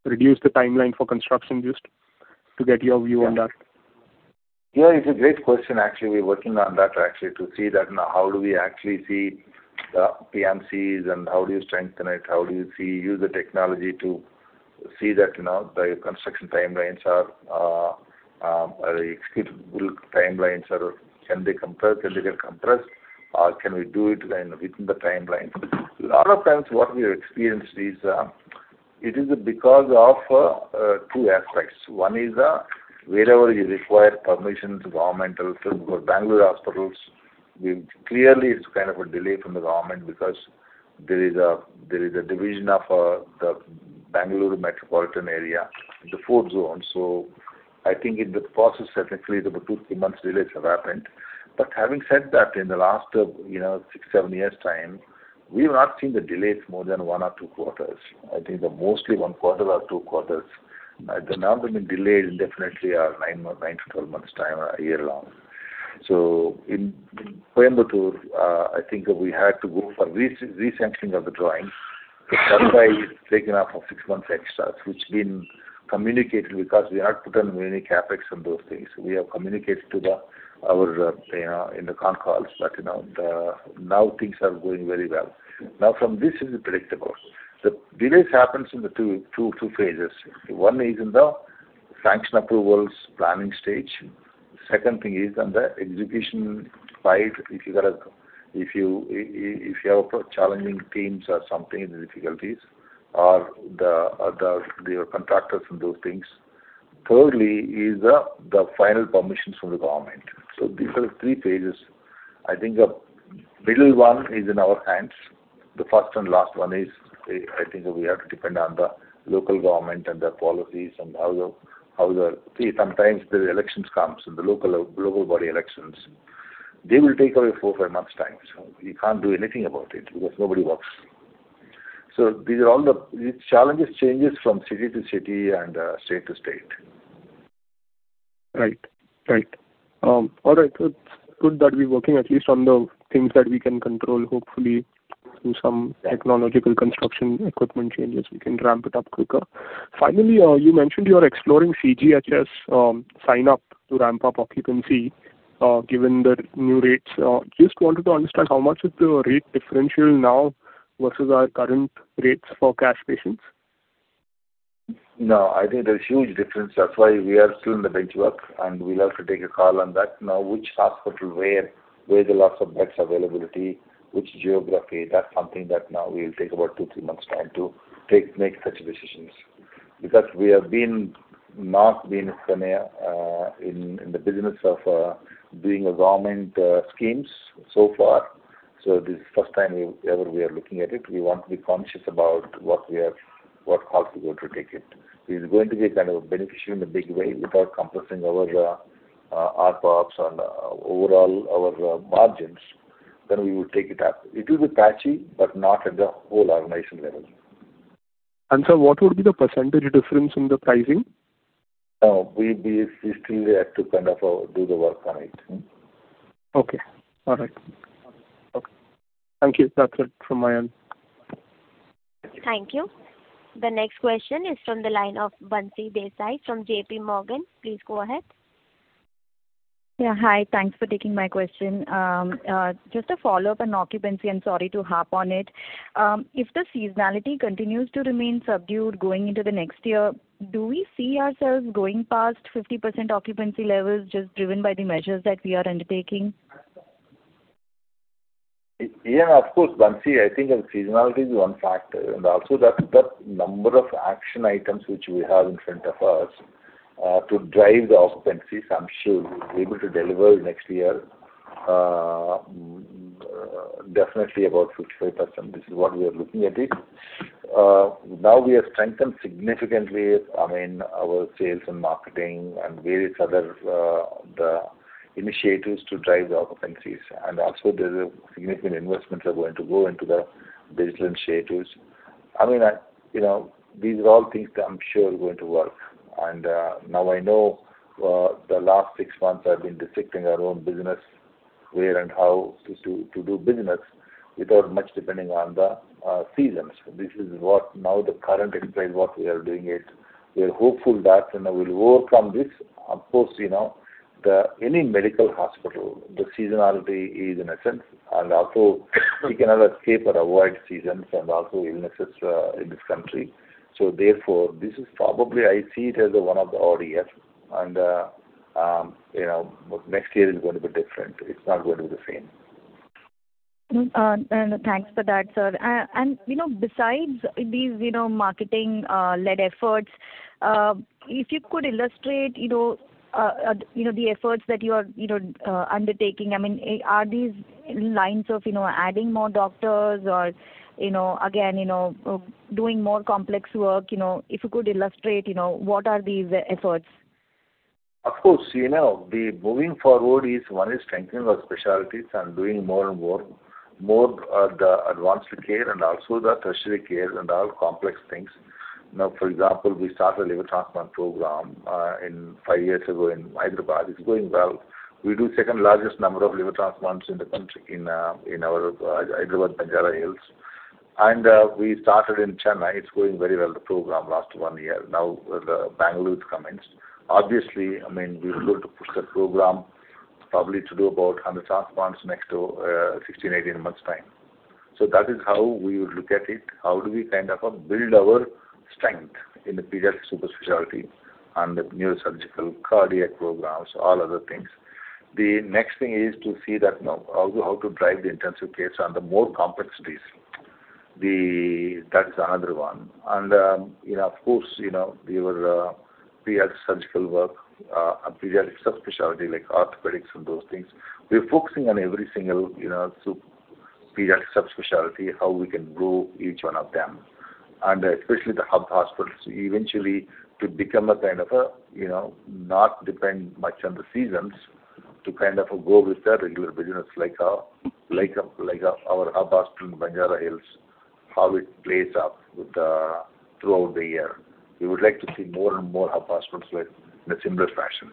reduce the timeline for construction? Just to get your view on that. Yeah, it's a great question, actually. We're working on that, actually, to see that now, how do we actually see, PMCs and how do you strengthen it, how do you see use the technology to see that, you know, the construction timelines are, executable timelines, or can they compress? Can they get compressed, or can we do it then within the timelines? A lot of times, what we have experienced is, it is because of, two aspects. One is, wherever you require permissions, governmental, so Bangalore hospitals, we clearly, it's kind of a delay from the government because there is a, there is a division of, the Bangalore metropolitan area, the 4 zones. So I think in the process, certainly, there 2-3 months delays have happened. But having said that, in the last, you know, 6, 7 years' time, we've not seen the delays more than one or two quarters. I think the mostly one quarter or two quarters. The number been delayed indefinitely are 9 month- 9 to 12 months' time, a year long. So in Coimbatore, I think we had to go for recentering of the drawings. So that has taken up for 6 months extra, which been communicated because we have to put on many CapEx on those things. We have communicated to the, our, you know, in the con calls, but, you know, the, now things are going very well. Now from this is predictable. The delays happens in the two phases. One is in the sanction approvals, planning stage. Second thing is on the execution side. If you have challenging teams or something, the difficulties or the, or the, your contractors and those things. Thirdly, the final permissions from the government. So these are the three phases. I think the middle one is in our hands. The first and last one is, I think we have to depend on the local government and their policies and how the. See, sometimes the elections comes, and the local, local body elections, they will take away 4, 5 months time. So you can't do anything about it because nobody works. So these are all the challenges changes from city to city and, state to state. Right. Right. All right. It's good that we're working at least on the things that we can control. Hopefully, through some technological construction equipment changes, we can ramp it up quicker. Finally, you mentioned you are exploring CGHS, sign up to ramp up occupancy, given the new rates. Just wanted to understand how much is the rate differential now versus our current rates for cash patients? No, I think there's huge difference. That's why we are still in the bench work, and we'll have to take a call on that. Now, which hospital, where, where is the lots of beds availability, which geography? That's something that now we'll take about 2-3 months' time to make such decisions. Because we have not been in the business of doing a government schemes so far. So this is the first time we've ever we are looking at it. We want to be conscious about what we are how we are going to take it. It's going to be kind of beneficial in a big way without compressing our ops and overall our margins, then we will take it up. It will be patchy, but not at the whole organization level. And sir, what would be the percentage difference in the pricing? We'd be, we still have to kind of do the work on it. Okay. All right. Okay. Thank you. That's it from my end. Thank you. The next question is from the line of Bansi Desai from J.P. Morgan. Please go ahead. Yeah, hi. Thanks for taking my question. Just a follow-up on occupancy, and sorry to harp on it. If the seasonality continues to remain subdued going into the next year, do we see ourselves going past 50% occupancy levels, just driven by the measures that we are undertaking? Yeah, of course, Bansi, I think seasonality is one factor, and also that, the number of action items which we have in front of us to drive the occupancy. I'm sure we'll be able to deliver next year definitely about 55%. This is what we are looking at it. Now we have strengthened significantly. I mean, our sales and marketing and various other the initiatives to drive the occupancies. And also, there's significant investments are going to go into the digital initiatives. I mean, you know, these are all things that I'm sure are going to work. And now I know the last six months I've been dissecting our own business, where and how to do business without much depending on the seasons. This is what now the current example, what we are doing it. We are hopeful that, and I will overcome this. Of course, you know, any medical hospital, the seasonality is in a sense, and also we cannot escape or avoid seasons and also illnesses in this country. So therefore, this is probably I see it as one of the odd years, and you know, next year is going to be different. It's not going to be the same. Thanks for that, sir. You know, besides these, you know, marketing led efforts, if you could illustrate, you know, you know, the efforts that you are, you know, undertaking. I mean, are these lines of, you know, adding more doctors or, you know, again, you know, doing more complex work, you know? If you could illustrate, you know, what are these efforts? Of course, you know, the moving forward is, one is strengthening our specialties and doing more and more, more, the advanced care and also the tertiary care and all complex things. Now, for example, we started a liver transplant program in 5 years ago in Hyderabad. It's going well. We do second largest number of liver transplants in the country, in, in our Hyderabad, Banjara Hills. And, we started in Chennai. It's going very well, the program, last one year. Now, the Bengaluru is commenced. Obviously, I mean, we look to push the program probably to do about 100 transplants next to 16-18 months' time. So that is how we would look at it. How do we kind of build our strength in the pediatric subspecialty and the neurosurgical, cardiac programs, all other things. The next thing is to see that, you know, how, how to drive the intensive case on the more complex disease. That's another one. And, you know, of course, you know, we were pediatric surgical work, and pediatric subspecialty, like orthopedics and those things. We're focusing on every single, you know, pediatric subspecialty, how we can grow each one of them. And especially the hub hospitals, eventually, to become a kind of a, you know, not depend much on the seasons, to kind of go with the regular business, like, like a, like our hub hospital in Banjara Hills, how it plays up with the throughout the year. We would like to see more and more hub hospitals with, in a similar fashion.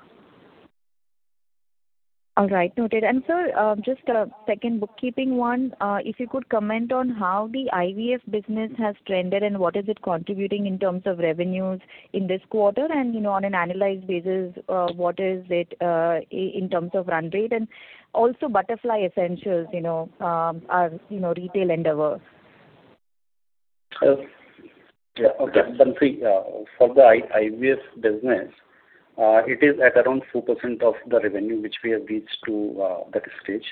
All right. Noted. And sir, just a second bookkeeping one. If you could comment on how the IVF business has trended, and what is it contributing in terms of revenues in this quarter? And, you know, on an annualized basis, what is it in terms of run rate? And also, Butterfly Essentials, you know, our, you know, retail endeavors. Yeah. Okay, Bansi, for the IVF business, it is at around 4% of the revenue, which we have reached to that stage.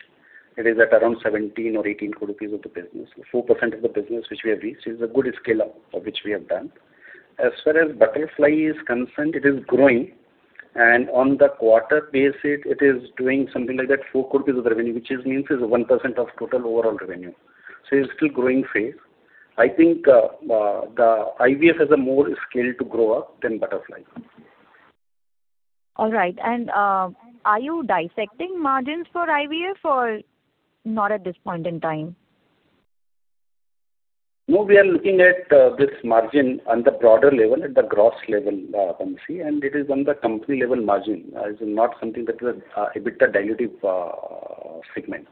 It is at around 17 crore or 18 crore rupees of the business. 4% of the business, which we have reached, is a good scale-up of which we have done. As far as Butterfly is concerned, it is growing, and on the quarter basis, it is doing something like that, 4 crore rupees of revenue, which is means is 1% of total overall revenue. So it's still growing phase. I think, the IVF has a more scale to grow up than Butterfly. All right. Are you dissecting margins for IVF or not at this point in time? No, we are looking at this margin on the broader level, at the gross level, Bansi, and it is on the company level margin. It's not something that will EBITDA dilutive segment.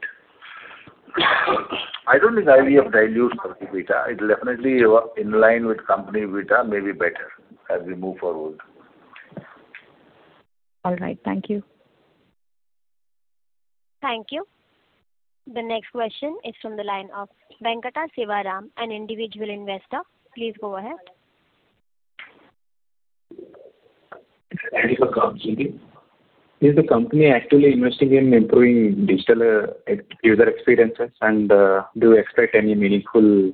I don't think IVF dilutes our EBITDA. It's definitely in line with company EBITDA, maybe better as we move forward. All right. Thank you. Thank you. The next question is from the line of Venkata Sivaram, an individual investor. Please go ahead. Thank you for coming, Sirji. Is the company actually investing in improving digital user experiences? And do you expect any meaningful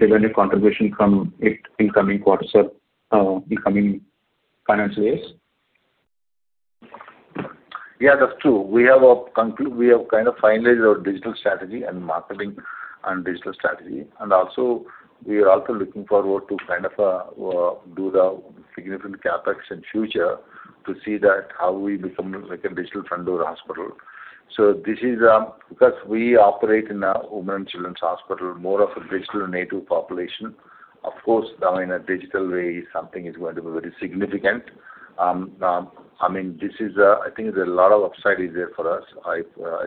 revenue contribution from it in coming quarters or in coming financial years? Yeah, that's true. We have kind of finalized our digital strategy and marketing and digital strategy. And also, we are also looking forward to kind of do the significant CapEx in future to see that how we become like a digital front door hospital. So this is because we operate in a women and children's hospital, more of a digital native population. Of course, now in a digital way, something is going to be very significant. I mean, this is, I think there's a lot of upside is there for us, I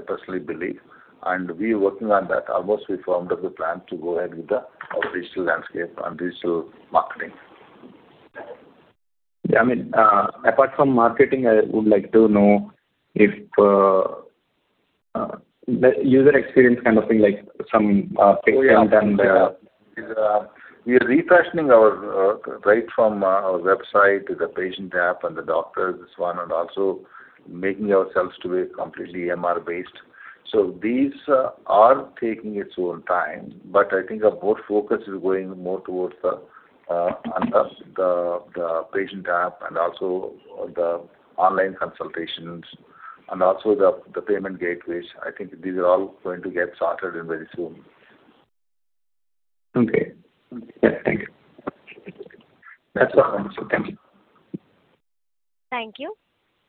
personally believe, and we are working on that. Almost we firmed up the plan to go ahead with our digital landscape and digital marketing. Yeah, I mean, apart from marketing, I would like to know if the user experience kind of thing, like some things have been done. Oh, yeah. We are refreshing our, right from, our website to the patient app and the doctors, this one, and also making ourselves to be completely EMR based. So these are taking its own time, but I think our both focus is going more towards the, and thus the, the patient app and also the online consultations and also the, the payment gateways. I think these are all going to get sorted very soon. Okay. Yeah, thank you. That's all. Thank you. Thank you.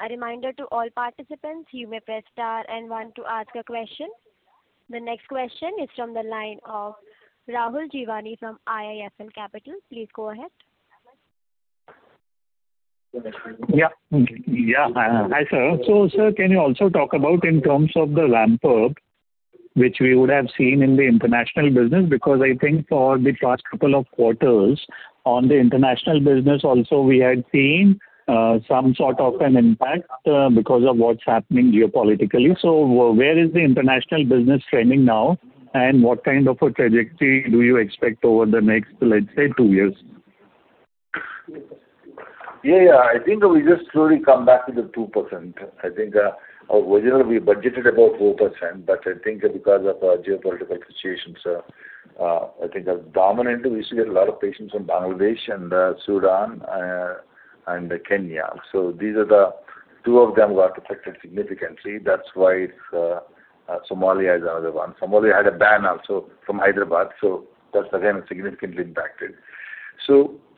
A reminder to all participants, you may press star and one to ask a question. The next question is from the line of Rahul Jeewani from IIFL Capital. Please go ahead. Yeah. Yeah. Hi, sir. So, sir, can you also talk about in terms of the ramp up, which we would have seen in the international business? Because I think for the past couple of quarters on the international business also, we had seen some sort of an impact because of what's happening geopolitically. So where is the international business trending now, and what kind of a trajectory do you expect over the next, let's say, two years? Yeah, yeah. I think we just slowly come back to the 2%. I think, although we budgeted about 4%, but I think because of geopolitical situations, I think the dominant, we used to get a lot of patients from Bangladesh and Sudan, and Kenya. So these are the two of them who are affected significantly. That's why it's, Somalia is another one. Somalia had a ban also from Hyderabad, so that's again, significantly impacted.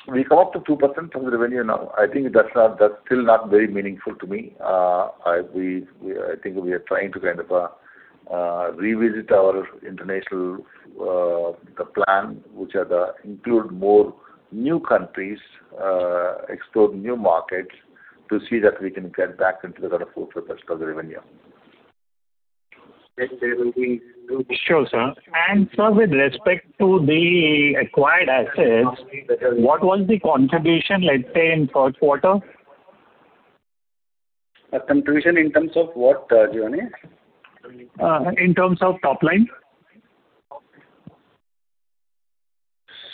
So we come up to 2% from the revenue now. I think that's not, that's still not very meaningful to me. I think we are trying to kind of revisit our international plan, which is to include more new countries, explore new markets to see that we can get back into the kind of 4-5% of the revenue. Sure, sir. Sir, with respect to the acquired assets, what was the contribution, let's say, in first quarter? Contribution in terms of what, Jivani? In terms of top line.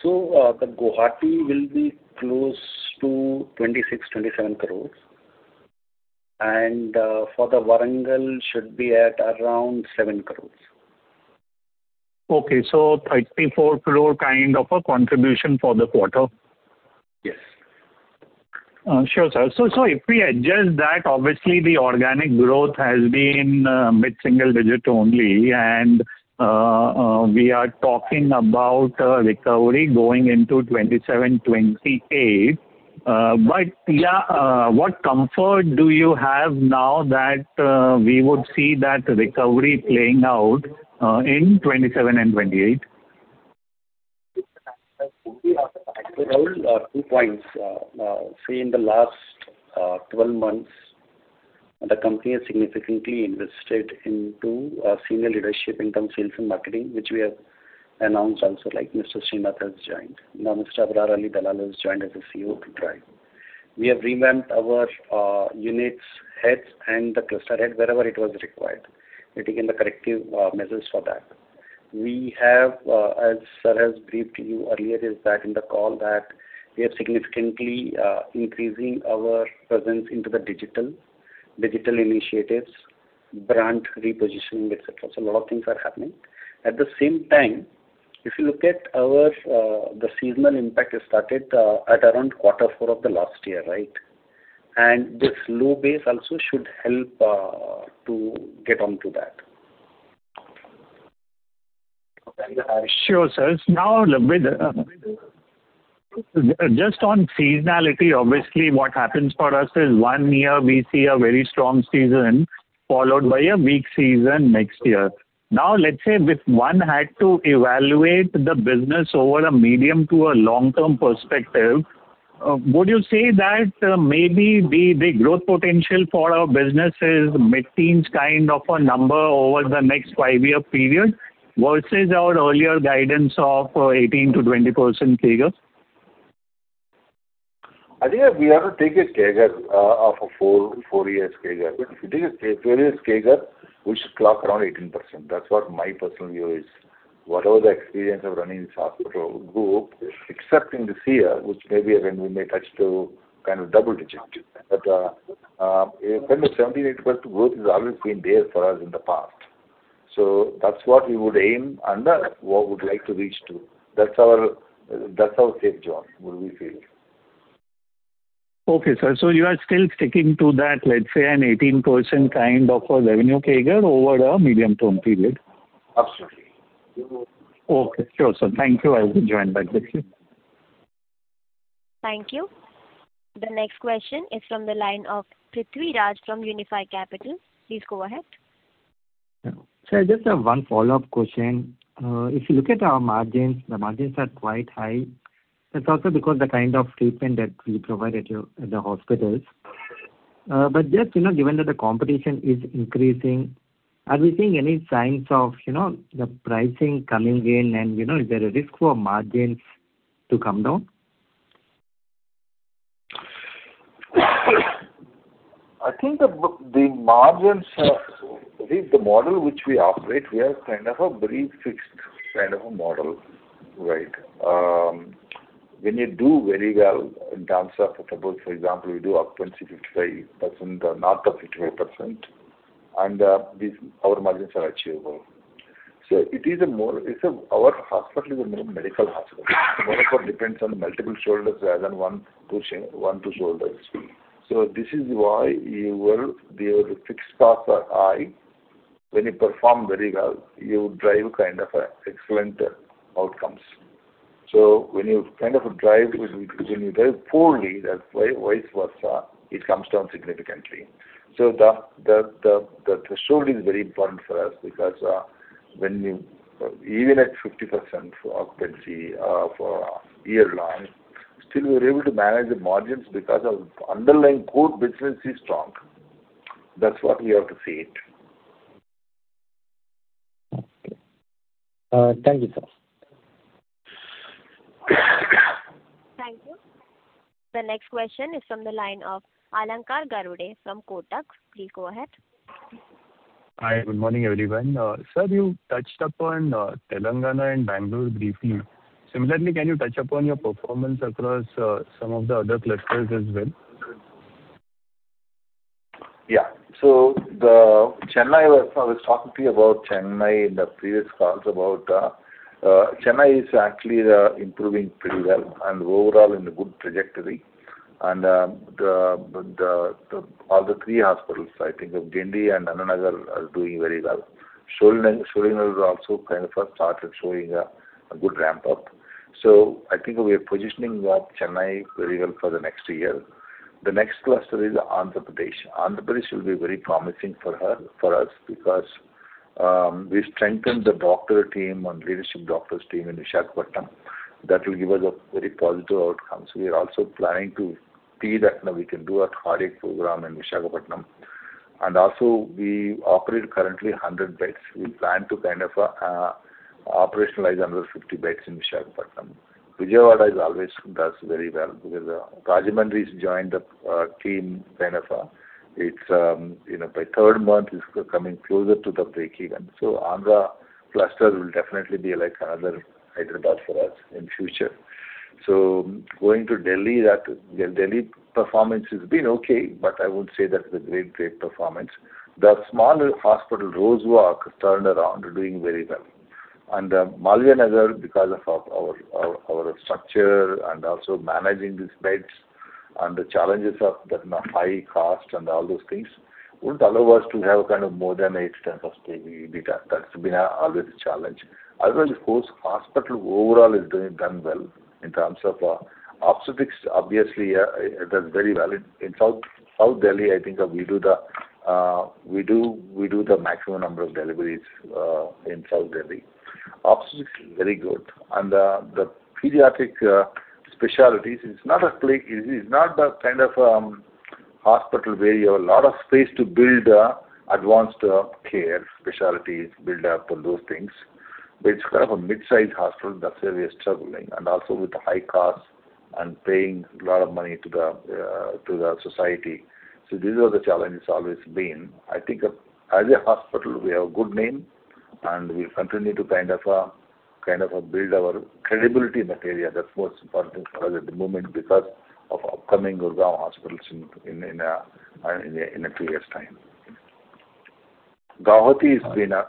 The Guwahati will be close to 26 crore-27 crore. For the Warangal, should be at around 7 crore. Okay, so 34 crore kind of a contribution for the quarter? Yes. Sure, sir. So, if we adjust that, obviously the organic growth has been mid-single digit only, and we are talking about recovery going into 2027, 2028. But, yeah, what comfort do you have now that we would see that recovery playing out in 2027 and 2028? Well, two points. See, in the last 12 months, the company has significantly invested into senior leadership in terms of sales and marketing, which we have announced also, like Mr. Srinath has joined. Now, Mr. Abrarali Dalal has joined as a CEO to drive. We have revamped our units, heads and the cluster head, wherever it was required. We taken the corrective measures for that. We have, as sir has briefed you earlier, is that in the call that we are significantly increasing our presence into the digital initiatives, brand repositioning, et cetera. So a lot of things are happening. At the same time, if you look at our, the seasonal impact has started at around quarter four of the last year, right? And this low base also should help to get on to that. Sure, sir. Now, with just on seasonality, obviously what happens for us is one year we see a very strong season, followed by a weak season next year. Now, let's say if one had to evaluate the business over a medium to a long-term perspective, would you say that maybe the, the growth potential for our business is mid-teens kind of a number over the next five-year period, versus our earlier guidance of 18%-20% CAGR? I think we have to take a CAGR of a 4-year CAGR. But if you take a 4-year CAGR, we should clock around 18%. That's what my personal view is. Whatever the experience of running this hospital group, except in this year, which may be when we may touch to kind of double digit. But when the 17, 18% growth has always been there for us in the past. So that's what we would aim and what we would like to reach to. That's our, that's our safe zone, where we feel. Okay, sir. So you are still sticking to that, let's say, an 18% kind of a revenue CAGR over a medium-term period? Absolutely. Okay. Sure, sir. Thank you. I will join back with you. Thank you. The next question is from the line of Prithvi Raj, from Unifi Capital. Please go ahead. Yeah. Sir, just, one follow-up question. If you look at our margins, the margins are quite high. It's also because the kind of treatment that we provide at your- at the hospitals. But just, you know, given that the competition is increasing, are we seeing any signs of, you know, the pricing coming in, and, you know, is there a risk for margins to come down? I think the margins are with the model which we operate, we are kind of a very fixed kind of a model, right? When you do very well in terms of, suppose, for example, you do occupancy 55%, or north of 55%, and this, our margins are achievable. So it is a more... It's a Our hospital is a more medical hospital. So therefore depends on multiple shoulders rather than one, two one, two shoulders. So this is why you will be able to fix costs are high. When you perform very well, you drive kind of excellent outcomes. So when you kind of drive very poorly, that's vice versa, it comes down significantly. So the threshold is very important for us because when even at 50% occupancy for year long, still we're able to manage the margins because of underlying core business is strong. That's what we have to see it. Okay. Thank you, sir. Thank you. The next question is from the line of Alankar Garude from Kotak. Please go ahead. Hi, good morning, everyone. Sir, you touched upon Telangana and Bangalore briefly. Similarly, can you touch upon your performance across some of the other clusters as well? Yeah. So the Chennai, I was talking to you about Chennai in the previous calls, about, Chennai is actually improving pretty well and overall in a good trajectory. And the all the three hospitals, I think, of Guindy and Anna Nagar are doing very well. Sholinganallur is also kind of started showing a good ramp up. So I think we are positioning Chennai very well for the next year. The next cluster is Andhra Pradesh. Andhra Pradesh will be very promising for us, because we strengthened the doctor team and leadership doctors team in Visakhapatnam. That will give us a very positive outcomes. We are also planning to see that now we can do a cardiac program in Visakhapatnam. And also we operate currently 100 beds. We plan to operationalize another 50 beds in Visakhapatnam. Vijayawada is always does very well because Rajahmundry's joined the team, kind of, it's you know, by third month, it's coming closer to the breakeven. So Andhra cluster will definitely be like another Hyderabad for us in future. So going to Delhi, that Delhi performance has been okay, but I wouldn't say that's a great, great performance. The smaller hospital, Rosewalk, turned around and doing very well. And Malviya Nagar, because of our structure and also managing these beds and the challenges of the high cost and all those things, wouldn't allow us to have kind of more than 8-10%, that's been always a challenge. Otherwise, of course, hospital overall is doing done well in terms of obstetrics, obviously, it does very well in South Delhi. I think we do the, we do, we do the maximum number of deliveries in South Delhi. Obstetrics is very good, and the pediatric specialties, it's not a clinic, it's not the kind of hospital where you have a lot of space to build advanced care specialties, build up, and those things. But it's kind of a mid-sized hospital, that's where we are struggling, and also with the high cost and paying a lot of money to the, to the society. So these are the challenges always been. I think as a hospital, we have a good name, and we continue to kind of, kind of, build our credibility in that area. That's most important for us at the moment, because of upcoming Gurgaon hospitals in, in, in a, in a few years' time. Guwahati has been a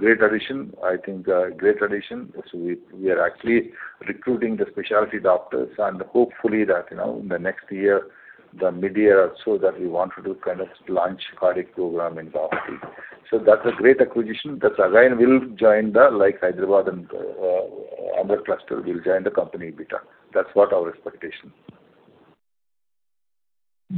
great addition, I think a great addition. So we are actually recruiting the specialty doctors, and hopefully that, you know, in the next year, the midyear, so that we want to do kind of launch cardiac program in Guwahati. So that's a great acquisition. That again will join the, like, Hyderabad and other cluster will join the company EBITDA. That's what our expectation.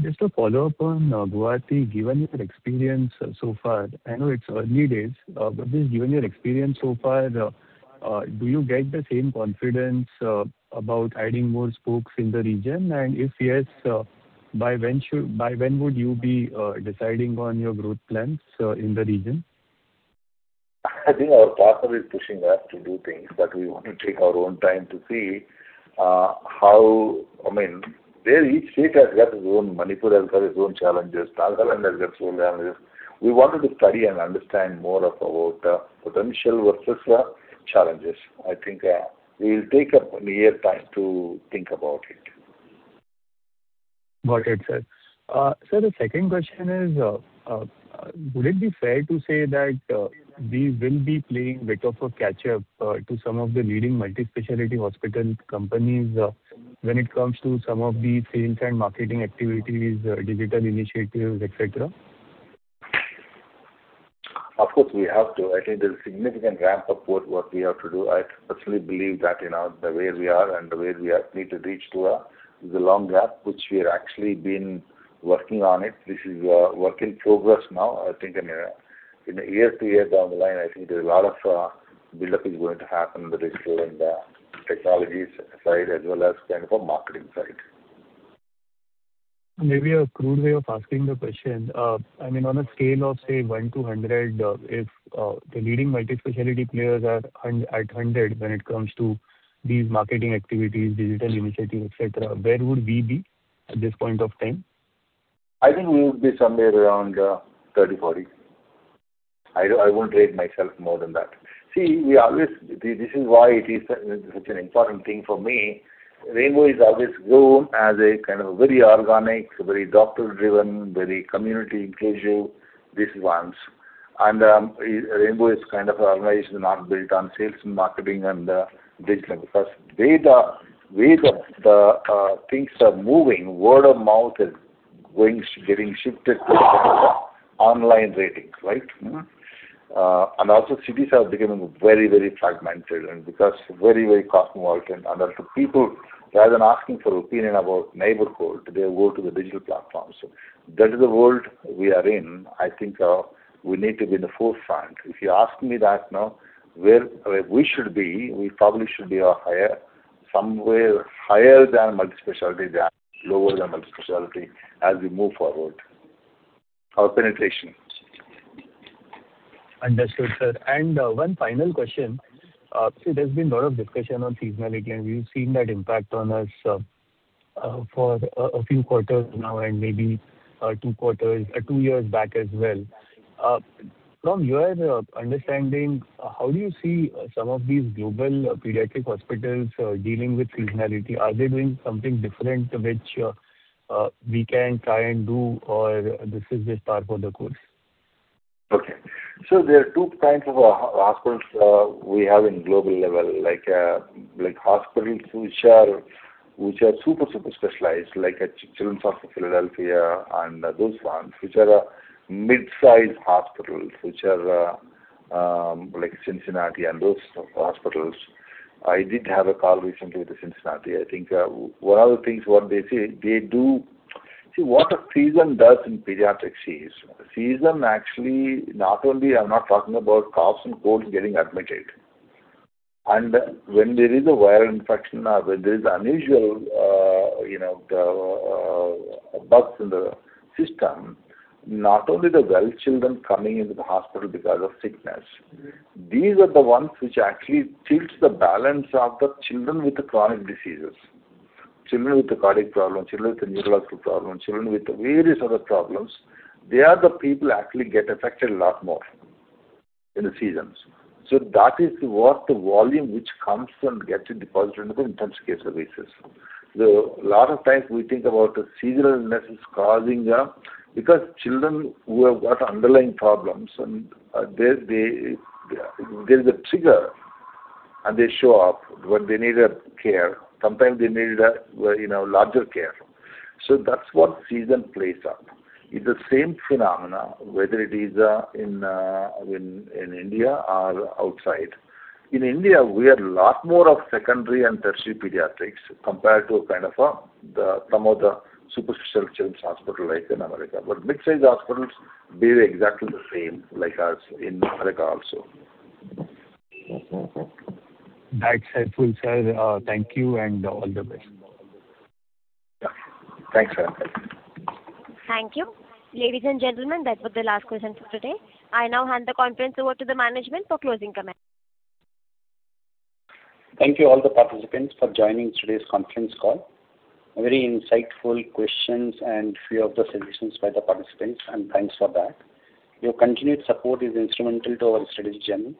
Just to follow up on Guwahati, given your experience so far, I know it's early days, but just given your experience so far, do you get the same confidence about adding more spokes in the region? And if yes, by when would you be deciding on your growth plans in the region? I think our partner is pushing us to do things, but we want to take our own time to see how... I mean, there each state has got his own. Manipur has got his own challenges, Nagaland has got its own challenges. We wanted to study and understand more about potential versus challenges. I think we'll take up one year time to think about it. Got it, sir. Sir, the second question is, would it be fair to say that we will be playing bit of a catch-up to some of the leading multi-specialty hospital companies, digital initiatives, et cetera? Of course, we have to. I think there's a significant ramp up what we have to do. I personally believe that, you know, the way we are and the way we are need to reach to is a long gap, which we are actually been working on it. This is work in progress now. I think in a year, two years down the line, I think there's a lot of buildup is going to happen, the ratio and the technologies side, as well as kind of a marketing side. Maybe a crude way of asking the question. I mean, on a scale of, say, 1 to 100, if the leading multispecialty players are at 100 when it comes to these marketing activities, digital initiatives, et cetera, where would we be at this point of time? I think we would be somewhere around 30, 40. I won't rate myself more than that. See, we always this is why it is such an important thing for me. Rainbow is always grown as a kind of a very organic, very doctor-driven, very community inclusive, this ones. And Rainbow is kind of an organization not built on sales and marketing and digital, because the way the way the things are moving, word of mouth is going getting shifted to online ratings, right? Mm-hmm. And also cities are becoming very, very fragmented and because very, very cosmopolitan. And also people, rather than asking for opinion about neighborhood, they go to the digital platforms. So that is the world we are in. I think we need to be in the forefront. If you ask me that now, where, where we should be, we probably should be, higher, somewhere higher than multispecialty, than lower than multispecialty, as we move forward, our penetration. Understood, sir. One final question. So there's been a lot of discussion on seasonality, and we've seen that impact on us, for a few quarters now and maybe two quarters two years back as well. From your understanding, how do you see some of these global pediatric hospitals dealing with seasonality? Are they doing something different, which we can try and do, or this is just par for the course? Okay. So there are two kinds of hospitals we have in global level, like, like hospitals which are, which are super, super specialized, like a Children's Hospital of Philadelphia and those ones which are, mid-sized hospitals, which are, like Cincinnati and those hospitals. I did have a call recently with the Cincinnati. I think, one of the things what they say, they do. See, what a season does in pediatrics is, season actually, not only I'm not talking about coughs and colds getting admitted. And when there is a viral infection or when there is unusual, you know, bugs in the system, not only the well children coming into the hospital because of sickness. Mm-hmm. These are the ones which actually tilts the balance of the children with the chronic diseases. Children with the cardiac problems, children with the neurological problems, children with various other problems, they are the people actually get affected a lot more in the seasons. So that is what the volume which comes and gets deposited into intensive care services. So a lot of times we think about the seasonal illnesses causing them, because children who have got underlying problems and, they, they, there's a trigger, and they show up when they need a care. Sometimes they need a, you know, larger care. So that's what season plays out. It's the same phenomena, whether it is, in, in, in India or outside. In India, we are a lot more of secondary and tertiary pediatrics compared to kind of, the some of the super specialty children's hospital, like in America. But mid-sized hospitals, be exactly the same, like us in America also. That's helpful, sir. Thank you, and all the best. Yeah. Thanks, sir. Thank you. Ladies and gentlemen, that was the last question for today. I now hand the conference over to the management for closing comments. Thank you all the participants for joining today's conference call. Very insightful questions and few of the solutions by the participants, and thanks for that. Your continued support is instrumental to our strategy journey.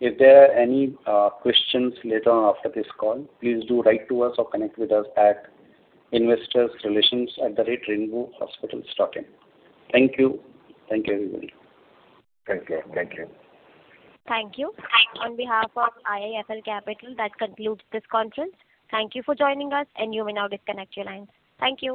If there are any questions later on after this call, please do write to us or connect with us at investorrelations@rainbowhospitals.in. Thank you. Thank you, everybody. Thank you. Thank you. Thank you. On behalf of IIFL Capital, that concludes this conference. Thank you for joining us, and you may now disconnect your lines. Thank you.